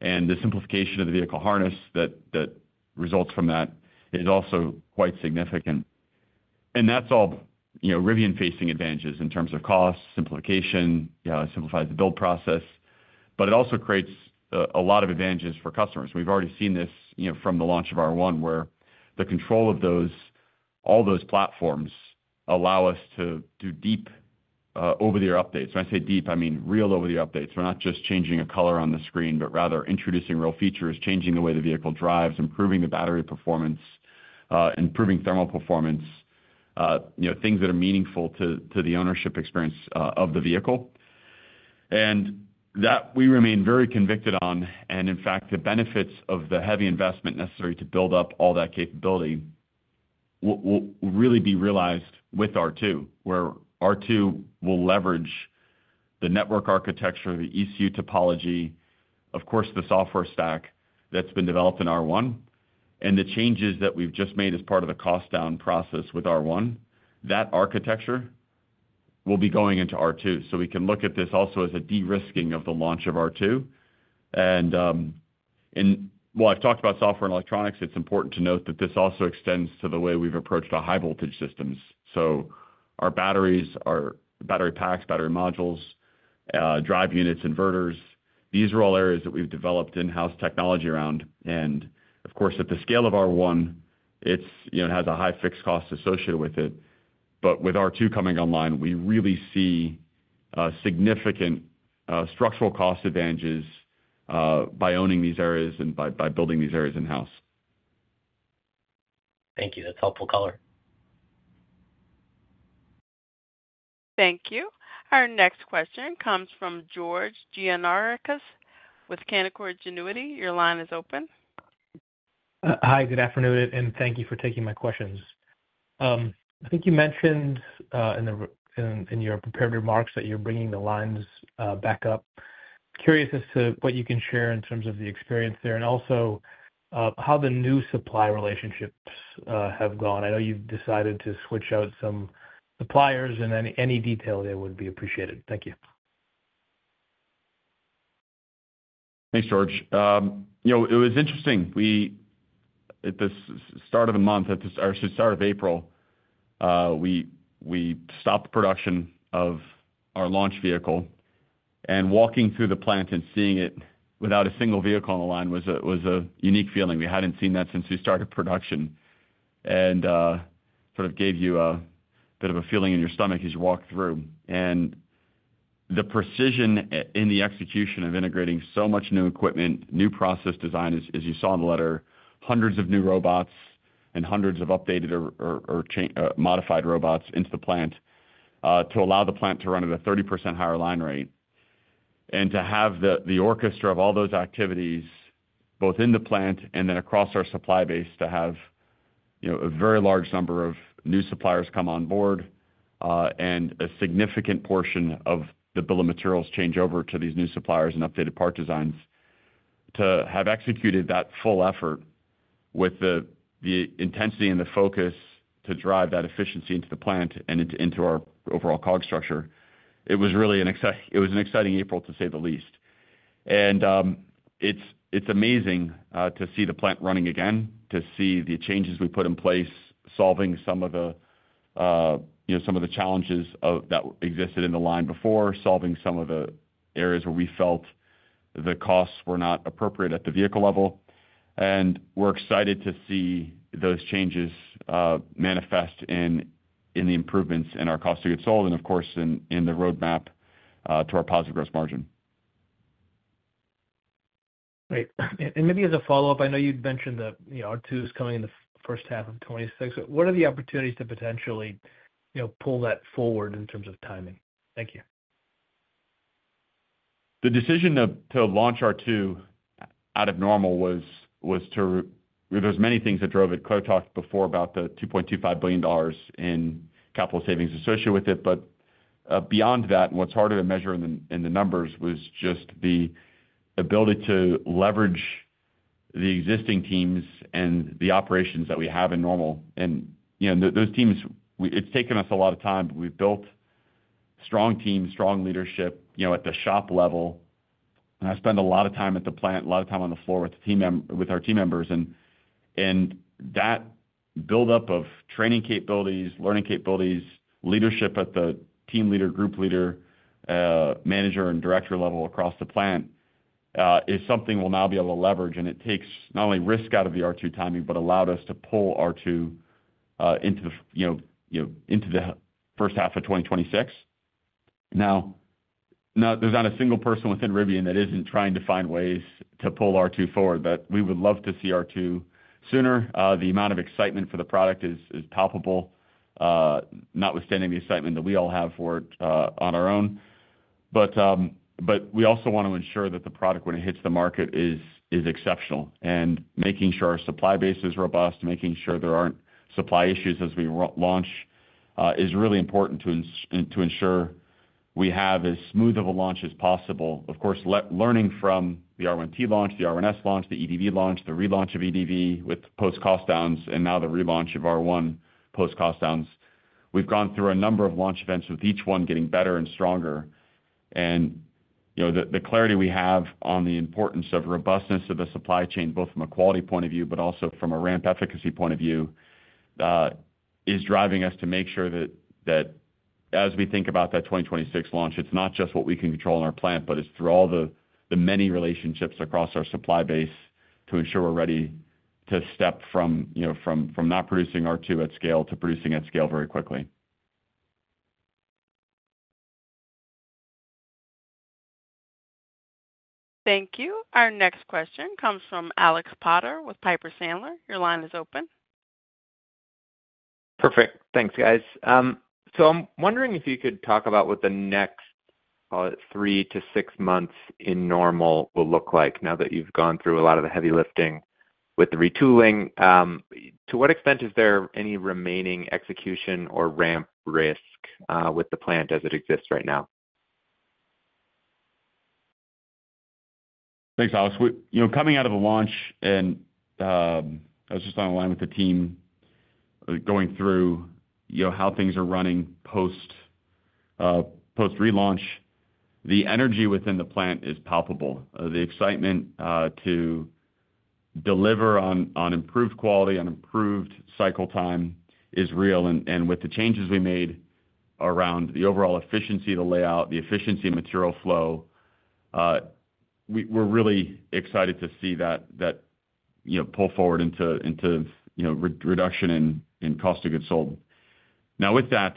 Speaker 3: The simplification of the vehicle harness that results from that is also quite significant. That's all Rivian-facing advantages in terms of cost, simplification, simplifies the build process. But it also creates a lot of advantages for customers. We've already seen this from the launch of R1 where the control of all those platforms allow us to do deep over-the-air updates. When I say deep, I mean real over-the-air updates. We're not just changing a color on the screen, but rather introducing real features, changing the way the vehicle drives, improving the battery performance, improving thermal performance, things that are meaningful to the ownership experience of the vehicle. That we remain very convicted on. And in fact, the benefits of the heavy investment necessary to build up all that capability will really be realized with R2, where R2 will leverage the network architecture, the ECU topology, of course, the software stack that's been developed in R1, and the changes that we've just made as part of the cost-down process with R1. That architecture will be going into R2. So we can look at this also as a de-risking of the launch of R2. And while I've talked about software and electronics, it's important to note that this also extends to the way we've approached our high-voltage systems. So our batteries, our battery packs, battery modules, drive units, inverters, these are all areas that we've developed in-house technology around. And of course, at the scale of R1, it has a high fixed cost associated with it. But with R2 coming online, we really see significant structural cost advantages by owning these areas and by building these areas in-house.
Speaker 8: Thank you. That's helpful color.
Speaker 1: Thank you. Our next question comes from George Gianarikas with Canaccord Genuity. Your line is open.
Speaker 9: Hi. Good afternoon. Thank you for taking my questions. I think you mentioned in your prepared remarks that you're bringing the lines back up. Curious as to what you can share in terms of the experience there and also how the new supply relationships have gone. I know you've decided to switch out some suppliers, and any detail there would be appreciated. Thank you.
Speaker 3: Thanks, George. It was interesting. At the start of the month, or at the start of April, we stopped production of our launch vehicle. Walking through the plant and seeing it without a single vehicle on the line was a unique feeling. We hadn't seen that since we started production. Sort of gave you a bit of a feeling in your stomach as you walked through. The precision in the execution of integrating so much new equipment, new process design, as you saw in the letter, hundreds of new robots and hundreds of updated or modified robots into the plant to allow the plant to run at a 30% higher line rate. And to have the orchestra of all those activities both in the plant and then across our supply base to have a very large number of new suppliers come on board and a significant portion of the bill of materials change over to these new suppliers and updated part designs to have executed that full effort with the intensity and the focus to drive that efficiency into the plant and into our overall COGS structure, it was really an exciting April, to say the least. And it's amazing to see the plant running again, to see the changes we put in place solving some of the challenges that existed in the line before, solving some of the areas where we felt the costs were not appropriate at the vehicle level. We're excited to see those changes manifest in the improvements in our cost of goods sold and, of course, in the roadmap to our positive gross margin.
Speaker 9: Great. Maybe as a follow-up, I know you'd mentioned that R2 is coming in the first half of 2026. What are the opportunities to potentially pull that forward in terms of timing? Thank you.
Speaker 3: The decision to launch R2 out of Normal was to there's many things that drove it. Claire talked before about the $2.25 billion in capital savings associated with it. But beyond that, and what's harder to measure in the numbers was just the ability to leverage the existing teams and the operations that we have in Normal. And those teams, it's taken us a lot of time, but we've built strong teams, strong leadership at the shop level. And I spend a lot of time at the plant, a lot of time on the floor with our team members. And that buildup of training capabilities, learning capabilities, leadership at the team leader, group leader, manager, and director level across the plant is something we'll now be able to leverage. It takes not only risk out of the R2 timing, but allowed us to pull R2 into the first half of 2026. Now, there's not a single person within Rivian that isn't trying to find ways to pull R2 forward. We would love to see R2 sooner. The amount of excitement for the product is palpable, notwithstanding the excitement that we all have for it on our own. But we also want to ensure that the product, when it hits the market, is exceptional. And making sure our supply base is robust, making sure there aren't supply issues as we launch, is really important to ensure we have as smooth of a launch as possible. Of course, learning from the R1T launch, the R1S launch, the EDV launch, the relaunch of EDV with post-cost downs, and now the relaunch of R1 post-cost downs. We've gone through a number of launch events with each one getting better and stronger. The clarity we have on the importance of robustness of the supply chain, both from a quality point of view, but also from a ramp efficacy point of view, is driving us to make sure that as we think about that 2026 launch, it's not just what we can control in our plant, but it's through all the many relationships across our supply base to ensure we're ready to step from not producing R2 at scale to producing at scale very quickly.
Speaker 1: Thank you. Our next question comes from Alex Potter with Piper Sandler. Your line is open.
Speaker 10: Perfect. Thanks, guys. So I'm wondering if you could talk about what the next, call it, three to six months in Normal will look like now that you've gone through a lot of the heavy lifting with the retooling. To what extent is there any remaining execution or ramp risk with the plant as it exists right now?
Speaker 3: Thanks, Alex. Coming out of a launch, and I was just on the line with the team going through how things are running post-relaunch, the energy within the plant is palpable. The excitement to deliver on improved quality, on improved cycle time is real. With the changes we made around the overall efficiency, the layout, the efficient material flow, we're really excited to see that pull forward into reduction in cost of goods sold. Now, with that,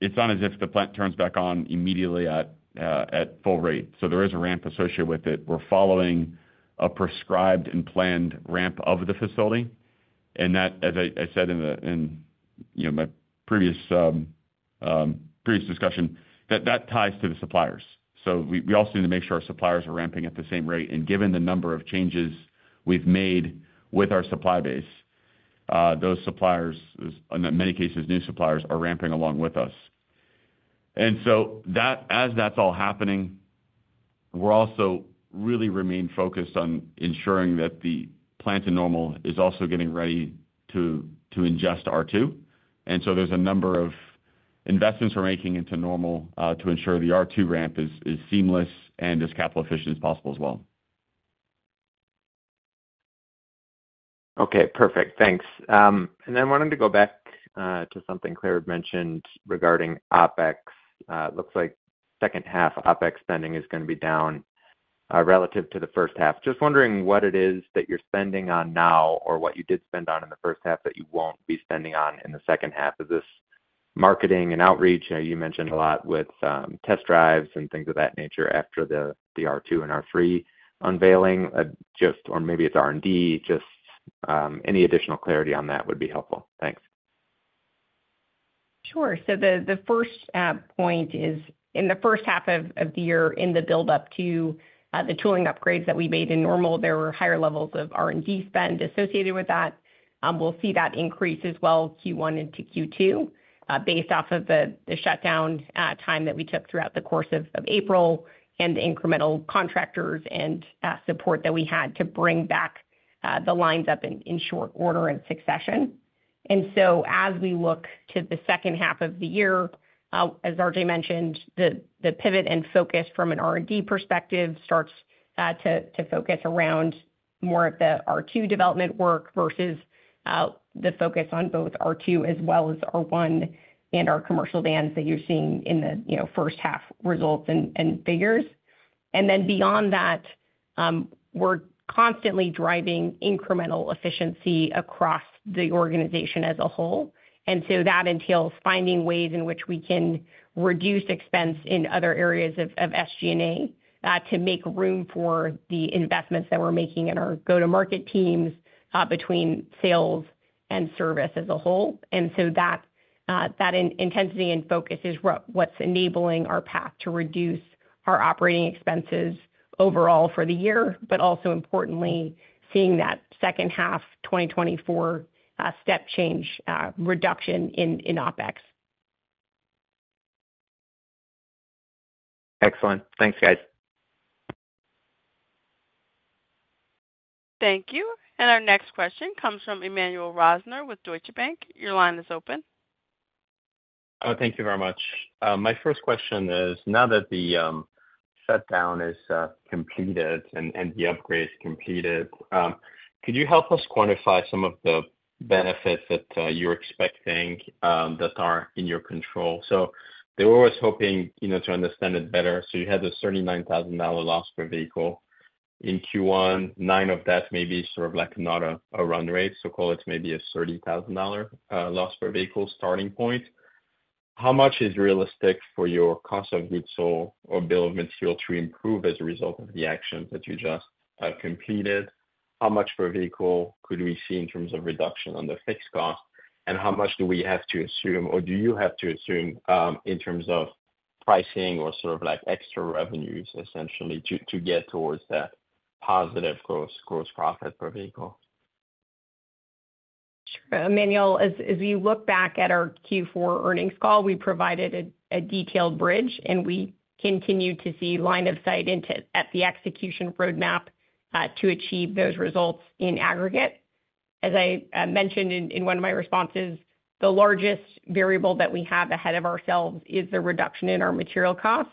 Speaker 3: it's not as if the plant turns back on immediately at full rate. So there is a ramp associated with it. We're following a prescribed and planned ramp of the facility. That, as I said in my previous discussion, ties to the suppliers. So we also need to make sure our suppliers are ramping at the same rate. Given the number of changes we've made with our supply base, those suppliers, in many cases, new suppliers, are ramping along with us. So as that's all happening, we're also really remaining focused on ensuring that the plant in Normal is also getting ready to ingest R2. So there's a number of investments we're making into Normal to ensure the R2 ramp is seamless and as capital efficient as possible as well.
Speaker 10: Okay. Perfect. Thanks. Then wanting to go back to something Claire had mentioned regarding OpEx. It looks like second-half OpEx spending is going to be down relative to the first half. Just wondering what it is that you're spending on now or what you did spend on in the first half that you won't be spending on in the second half. Is this marketing and outreach? You mentioned a lot with test drives and things of that nature after the R2 and R3 unveiling, or maybe it's R&D. Just any additional clarity on that would be helpful. Thanks.
Speaker 4: Sure. So the first point is in the first half of the year, in the buildup to the tooling upgrades that we made in Normal, there were higher levels of R&D spend associated with that. We'll see that increase as well, Q1 into Q2, based off of the shutdown time that we took throughout the course of April and the incremental contractors and support that we had to bring back the lines up in short order and succession. And so as we look to the second half of the year, as RJ mentioned, the pivot and focus from an R&D perspective starts to focus around more of the R2 development work versus the focus on both R2 as well as R1 and our commercial vans that you're seeing in the first half results and figures. And then beyond that, we're constantly driving incremental efficiency across the organization as a whole. That entails finding ways in which we can reduce expense in other areas of SG&A to make room for the investments that we're making in our go-to-market teams between sales and service as a whole. That intensity and focus is what's enabling our path to reduce our operating expenses overall for the year, but also importantly, seeing that second-half 2024 step change reduction in OpEx.
Speaker 10: Excellent. Thanks, guys.
Speaker 1: Thank you. And our next question comes from Emmanuel Rosner with Deutsche Bank. Your line is open.
Speaker 11: Thank you very much. My first question is, now that the shutdown is completed and the upgrades completed, could you help us quantify some of the benefits that you're expecting that are in your control? So they were always hoping to understand it better. So you had this $39,000 loss per vehicle in Q1. $9,000 of that may be sort of not a run rate. So call it maybe a $30,000 loss per vehicle starting point. How much is realistic for your cost of goods sold or bill of materials to improve as a result of the actions that you just completed? How much per vehicle could we see in terms of reduction on the fixed cost? And how much do we have to assume, or do you have to assume, in terms of pricing or sort of extra revenues, essentially, to get towards that positive gross profit per vehicle?
Speaker 4: Sure. Emmanuel, as we look back at our Q4 earnings call, we provided a detailed bridge, and we continue to see line of sight at the execution roadmap to achieve those results in aggregate. As I mentioned in one of my responses, the largest variable that we have ahead of ourselves is the reduction in our material costs.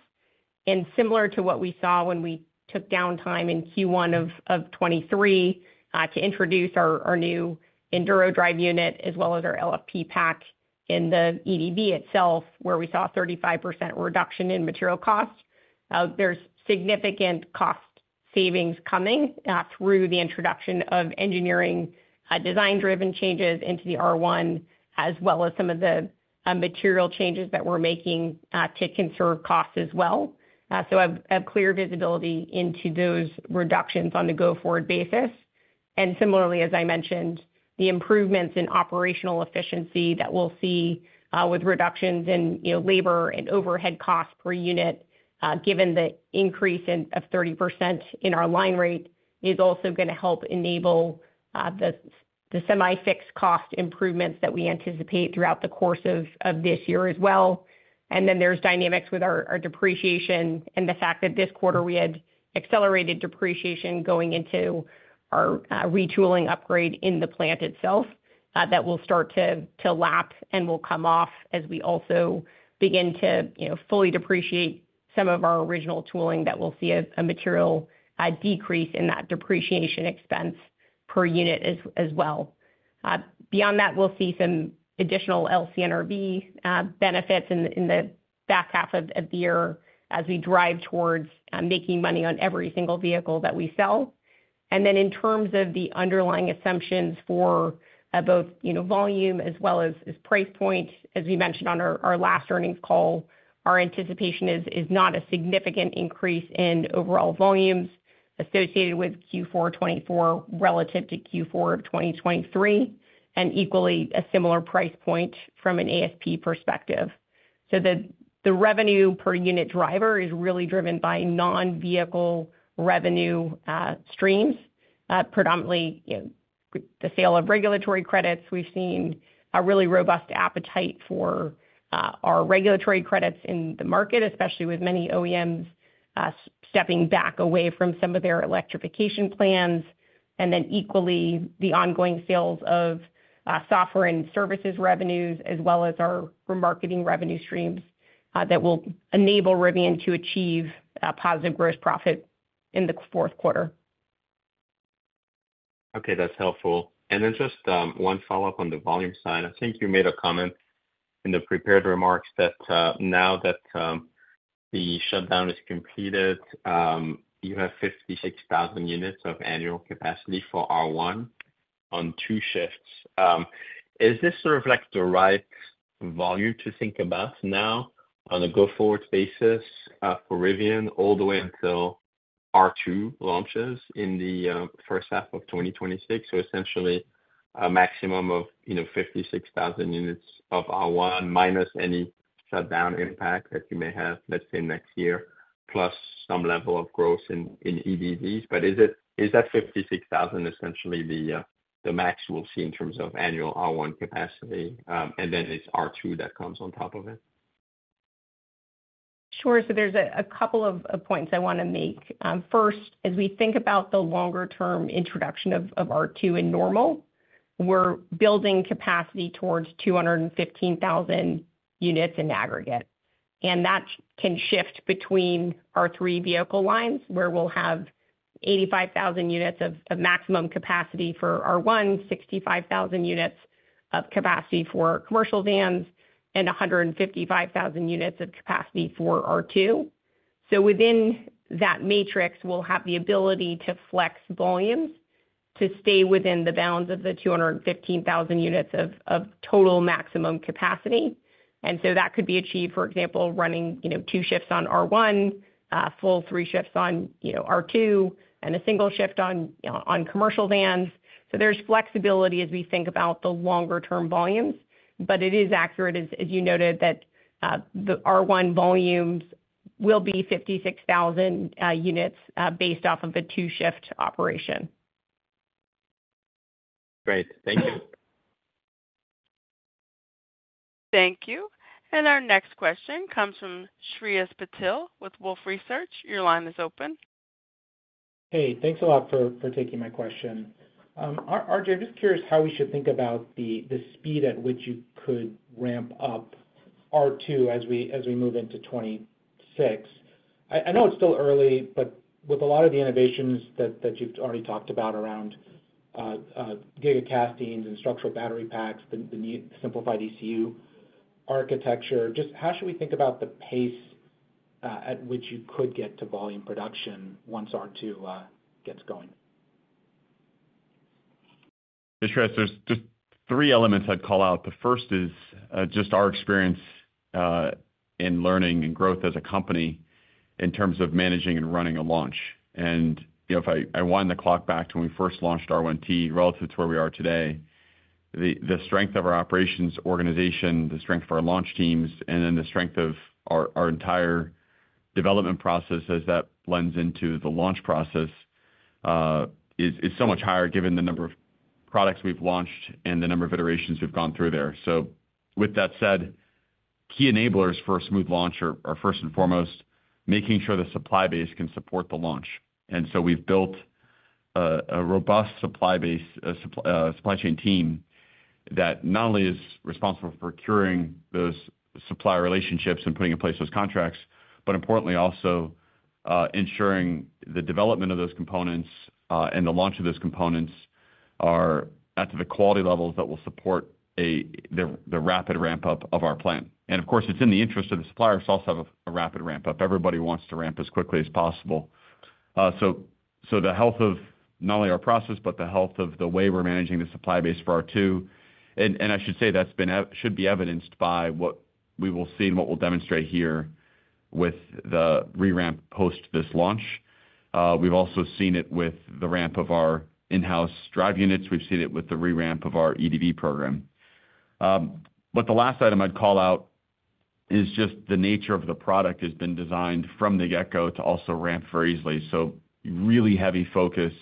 Speaker 4: Similar to what we saw when we took downtime in Q1 of 2023 to introduce our new Enduro drive unit, as well as our LFP pack in the EDV itself, where we saw a 35% reduction in material cost, there's significant cost savings coming through the introduction of engineering design-driven changes into the R1, as well as some of the material changes that we're making to conserve costs as well. I have clear visibility into those reductions on a go-forward basis. And similarly, as I mentioned, the improvements in operational efficiency that we'll see with reductions in labor and overhead costs per unit, given the increase of 30% in our line rate, is also going to help enable the semi-fixed cost improvements that we anticipate throughout the course of this year as well. And then there's dynamics with our depreciation and the fact that this quarter, we had accelerated depreciation going into our retooling upgrade in the plant itself that will start to lap and will come off as we also begin to fully depreciate some of our original tooling that we'll see a material decrease in that depreciation expense per unit as well. Beyond that, we'll see some additional LCNRV benefits in the back half of the year as we drive towards making money on every single vehicle that we sell. Then in terms of the underlying assumptions for both volume as well as price point, as we mentioned on our last earnings call, our anticipation is not a significant increase in overall volumes associated with Q4 2024 relative to Q4 of 2023, and equally a similar price point from an ASP perspective. So the revenue per unit driver is really driven by non-vehicle revenue streams, predominantly the sale of regulatory credits. We've seen a really robust appetite for our regulatory credits in the market, especially with many OEMs stepping back away from some of their electrification plans. Then equally, the ongoing sales of software and services revenues, as well as our remarketing revenue streams that will enable Rivian to achieve positive gross profit in the fourth quarter.
Speaker 11: Okay. That's helpful. And then just one follow-up on the volume side. I think you made a comment in the prepared remarks that now that the shutdown is completed, you have 56,000 units of annual capacity for R1 on two shifts. Is this sort of the right volume to think about now on a go-forward basis for Rivian all the way until R2 launches in the first half of 2026? So essentially, a maximum of 56,000 units of R1 minus any shutdown impact that you may have, let's say, next year, plus some level of growth in EDVs. But is that 56,000 essentially the max we'll see in terms of annual R1 capacity, and then it's R2 that comes on top of it?
Speaker 4: Sure. So there's a couple of points I want to make. First, as we think about the longer-term introduction of R2 in Normal, we're building capacity towards 215,000 units in aggregate. And that can shift between R3 vehicle lines, where we'll have 85,000 units of maximum capacity for R1, 65,000 units of capacity for commercial vans, and 155,000 units of capacity for R2. So within that matrix, we'll have the ability to flex volumes to stay within the bounds of the 215,000 units of total maximum capacity. And so that could be achieved, for example, running two shifts on R1, full three shifts on R2, and a single shift on commercial vans. So there's flexibility as we think about the longer-term volumes. But it is accurate, as you noted, that the R1 volumes will be 56,000 units based off of a two-shift operation.
Speaker 11: Great. Thank you.
Speaker 1: Thank you. Our next question comes from Shreyas Patil with Wolfe Research. Your line is open.
Speaker 12: Hey. Thanks a lot for taking my question. RJ, I'm just curious how we should think about the speed at which you could ramp up R2 as we move into 2026. I know it's still early, but with a lot of the innovations that you've already talked about around gigacastings and structural battery packs, the simplified ECU architecture, just how should we think about the pace at which you could get to volume production once R2 gets going?
Speaker 3: Yes, Shreyas. There's just three elements I'd call out. The first is just our experience in learning and growth as a company in terms of managing and running a launch. And if I wind the clock back to when we first launched R1T relative to where we are today, the strength of our operations organization, the strength of our launch teams, and then the strength of our entire development process as that lends into the launch process is so much higher given the number of products we've launched and the number of iterations we've gone through there. So with that said, key enablers for a smooth launch are first and foremost making sure the supply base can support the launch. So we've built a robust supply chain team that not only is responsible for nurturing those supplier relationships and putting in place those contracts, but importantly, also ensuring the development of those components and the launch of those components are at the quality levels that will support the rapid ramp-up of our plant. Of course, it's in the interest of the suppliers to also have a rapid ramp-up. Everybody wants to ramp as quickly as possible. The health of not only our process, but the health of the way we're managing the supply base for R2. I should say that should be evidenced by what we will see and what we'll demonstrate here with the re-ramp post this launch. We've also seen it with the ramp of our in-house drive units. We've seen it with the re-ramp of our EDV program. But the last item I'd call out is just the nature of the product has been designed from the get-go to also ramp very easily. So really heavy focus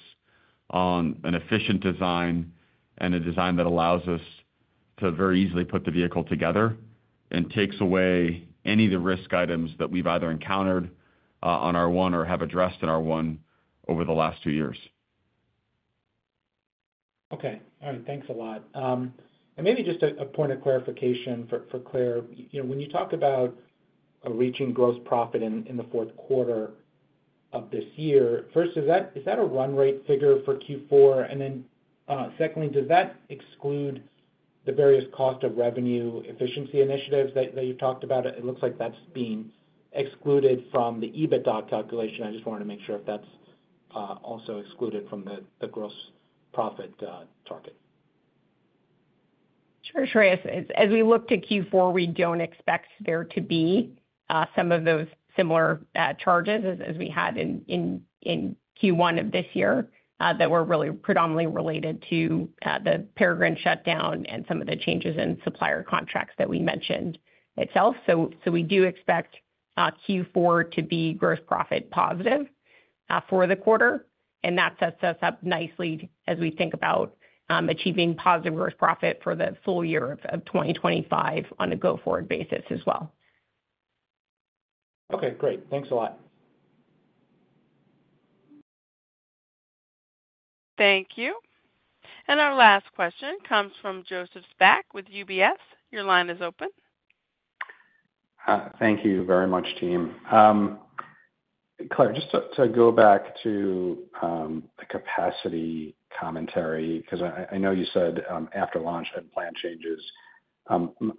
Speaker 3: on an efficient design and a design that allows us to very easily put the vehicle together and takes away any of the risk items that we've either encountered on R1 or have addressed in R1 over the last two years.
Speaker 12: Okay. All right. Thanks a lot. And maybe just a point of clarification for Claire. When you talk about reaching gross profit in the fourth quarter of this year, first, is that a run-rate figure for Q4? And then secondly, does that exclude the various cost of revenue efficiency initiatives that you've talked about? It looks like that's being excluded from the EBITDA calculation. I just wanted to make sure if that's also excluded from the gross profit target.
Speaker 4: Sure, Shreyas. As we look to Q4, we don't expect there to be some of those similar charges as we had in Q1 of this year that were really predominantly related to the Peregrine shutdown and some of the changes in supplier contracts that we mentioned itself. So we do expect Q4 to be gross profit positive for the quarter. And that sets us up nicely as we think about achieving positive gross profit for the full year of 2025 on a go-forward basis as well.
Speaker 12: Okay. Great. Thanks a lot.
Speaker 1: Thank you. And our last question comes from Joseph Spak with UBS. Your line is open.
Speaker 13: Thank you very much, team. Claire, just to go back to the capacity commentary because I know you said after launch and plan changes,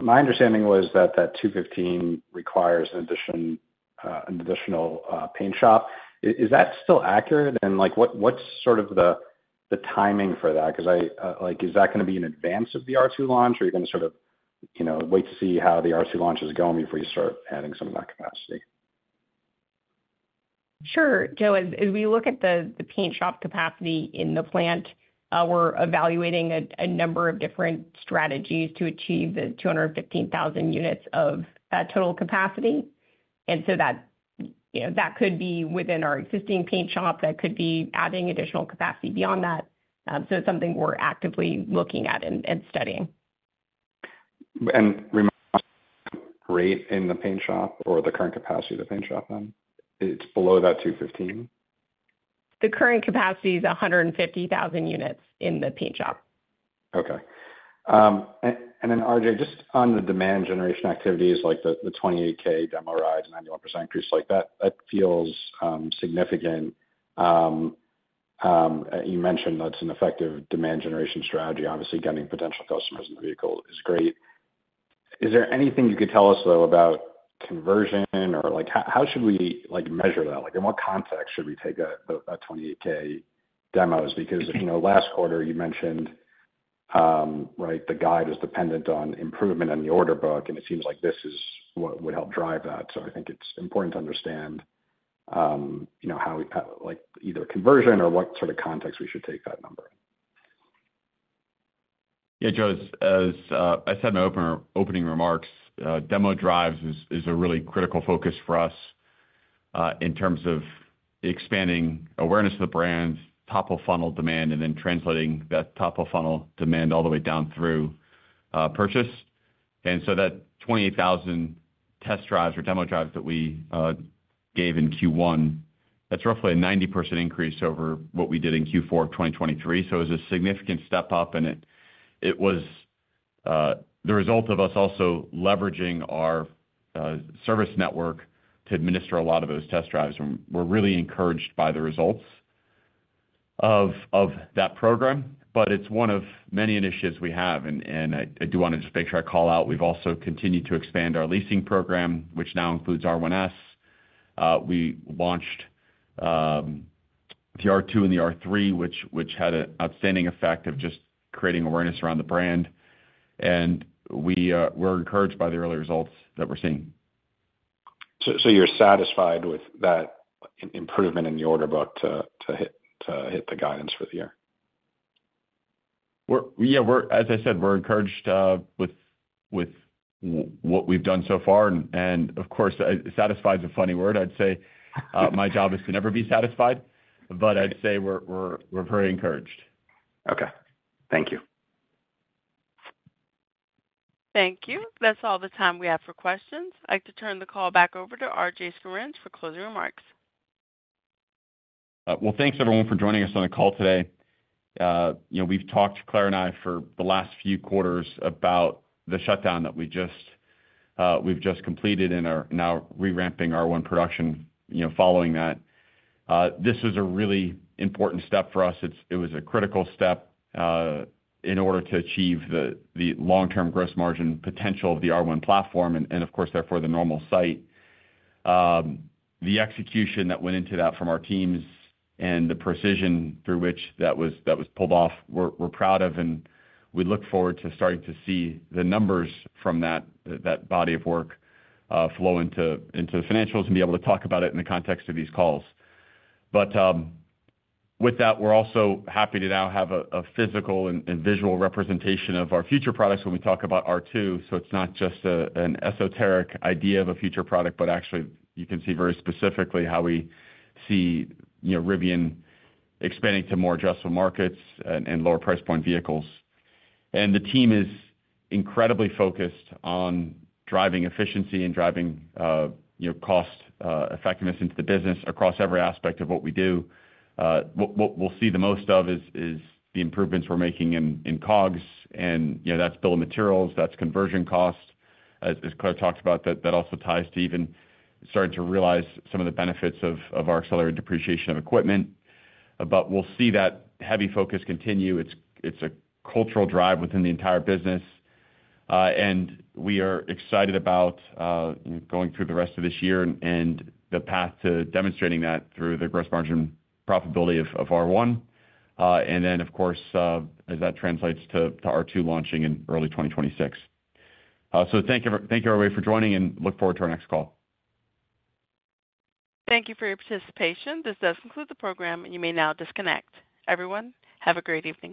Speaker 13: my understanding was that that 215 requires an additional paint shop. Is that still accurate? And what's sort of the timing for that? Because is that going to be in advance of the R2 launch, or are you going to sort of wait to see how the R2 launch is going before you start adding some of that capacity?
Speaker 4: Sure. Joe, as we look at the paint shop capacity in the plant, we're evaluating a number of different strategies to achieve the 215,000 units of total capacity. And so that could be within our existing paint shop. That could be adding additional capacity beyond that. So it's something we're actively looking at and studying.
Speaker 13: Rate in the paint shop or the current capacity of the paint shop then? It's below that 215?
Speaker 4: The current capacity is 150,000 units in the paint shop.
Speaker 13: Okay. And then, RJ, just on the demand generation activities, like the 28,000 demo ride, 91% increase, that feels significant. You mentioned that's an effective demand generation strategy. Obviously, getting potential customers in the vehicle is great. Is there anything you could tell us, though, about conversion? Or how should we measure that? In what context should we take that 28,000 demos? Because last quarter, you mentioned, right, the guide is dependent on improvement on the order book, and it seems like this is what would help drive that. So I think it's important to understand either conversion or what sort of context we should take that number in.
Speaker 3: Yeah, Joe, as I said in my opening remarks, demo drives is a really critical focus for us in terms of expanding awareness of the brand, top of the funnel demand, and then translating that top of the funnel demand all the way down through purchase. And so that 28,000 test drives or demo drives that we gave in Q1, that's roughly a 90% increase over what we did in Q4 of 2023. So it was a significant step up, and it was the result of us also leveraging our service network to administer a lot of those test drives. And we're really encouraged by the results of that program. But it's one of many initiatives we have. And I do want to just make sure I call out, we've also continued to expand our leasing program, which now includes R1S. We launched the R2 and the R3, which had an outstanding effect of just creating awareness around the brand. And we're encouraged by the early results that we're seeing.
Speaker 13: So you're satisfied with that improvement in the order book to hit the guidance for the year?
Speaker 3: Yeah. As I said, we're encouraged with what we've done so far. Of course, satisfied is a funny word. I'd say my job is to never be satisfied. But I'd say we're very encouraged.
Speaker 13: Okay. Thank you.
Speaker 1: Thank you. That's all the time we have for questions. I'd like to turn the call back over to RJ Scaringe for closing remarks.
Speaker 3: Well, thanks, everyone, for joining us on the call today. We've talked, Claire and I, for the last few quarters about the shutdown that we've just completed and now reramping R1 production following that. This was a really important step for us. It was a critical step in order to achieve the long-term gross margin potential of the R1 platform and, of course, therefore, the Normal site. The execution that went into that from our teams and the precision through which that was pulled off, we're proud of. We look forward to starting to see the numbers from that body of work flow into the financials and be able to talk about it in the context of these calls. But with that, we're also happy to now have a physical and visual representation of our future products when we talk about R2. It's not just an esoteric idea of a future product, but actually, you can see very specifically how we see Rivian expanding to more addressable markets and lower price point vehicles. The team is incredibly focused on driving efficiency and driving cost effectiveness into the business across every aspect of what we do. What we'll see the most of is the improvements we're making in COGS. That's bill of materials. That's conversion cost. As Claire talked about, that also ties to even starting to realize some of the benefits of our accelerated depreciation of equipment. We'll see that heavy focus continue. It's a cultural drive within the entire business. We are excited about going through the rest of this year and the path to demonstrating that through the gross margin profitability of R1. And then, of course, as that translates to R2 launching in early 2026. So, thank you, everybody, for joining, and look forward to our next call.
Speaker 1: Thank you for your participation. This does conclude the program, and you may now disconnect. Everyone, have a great evening.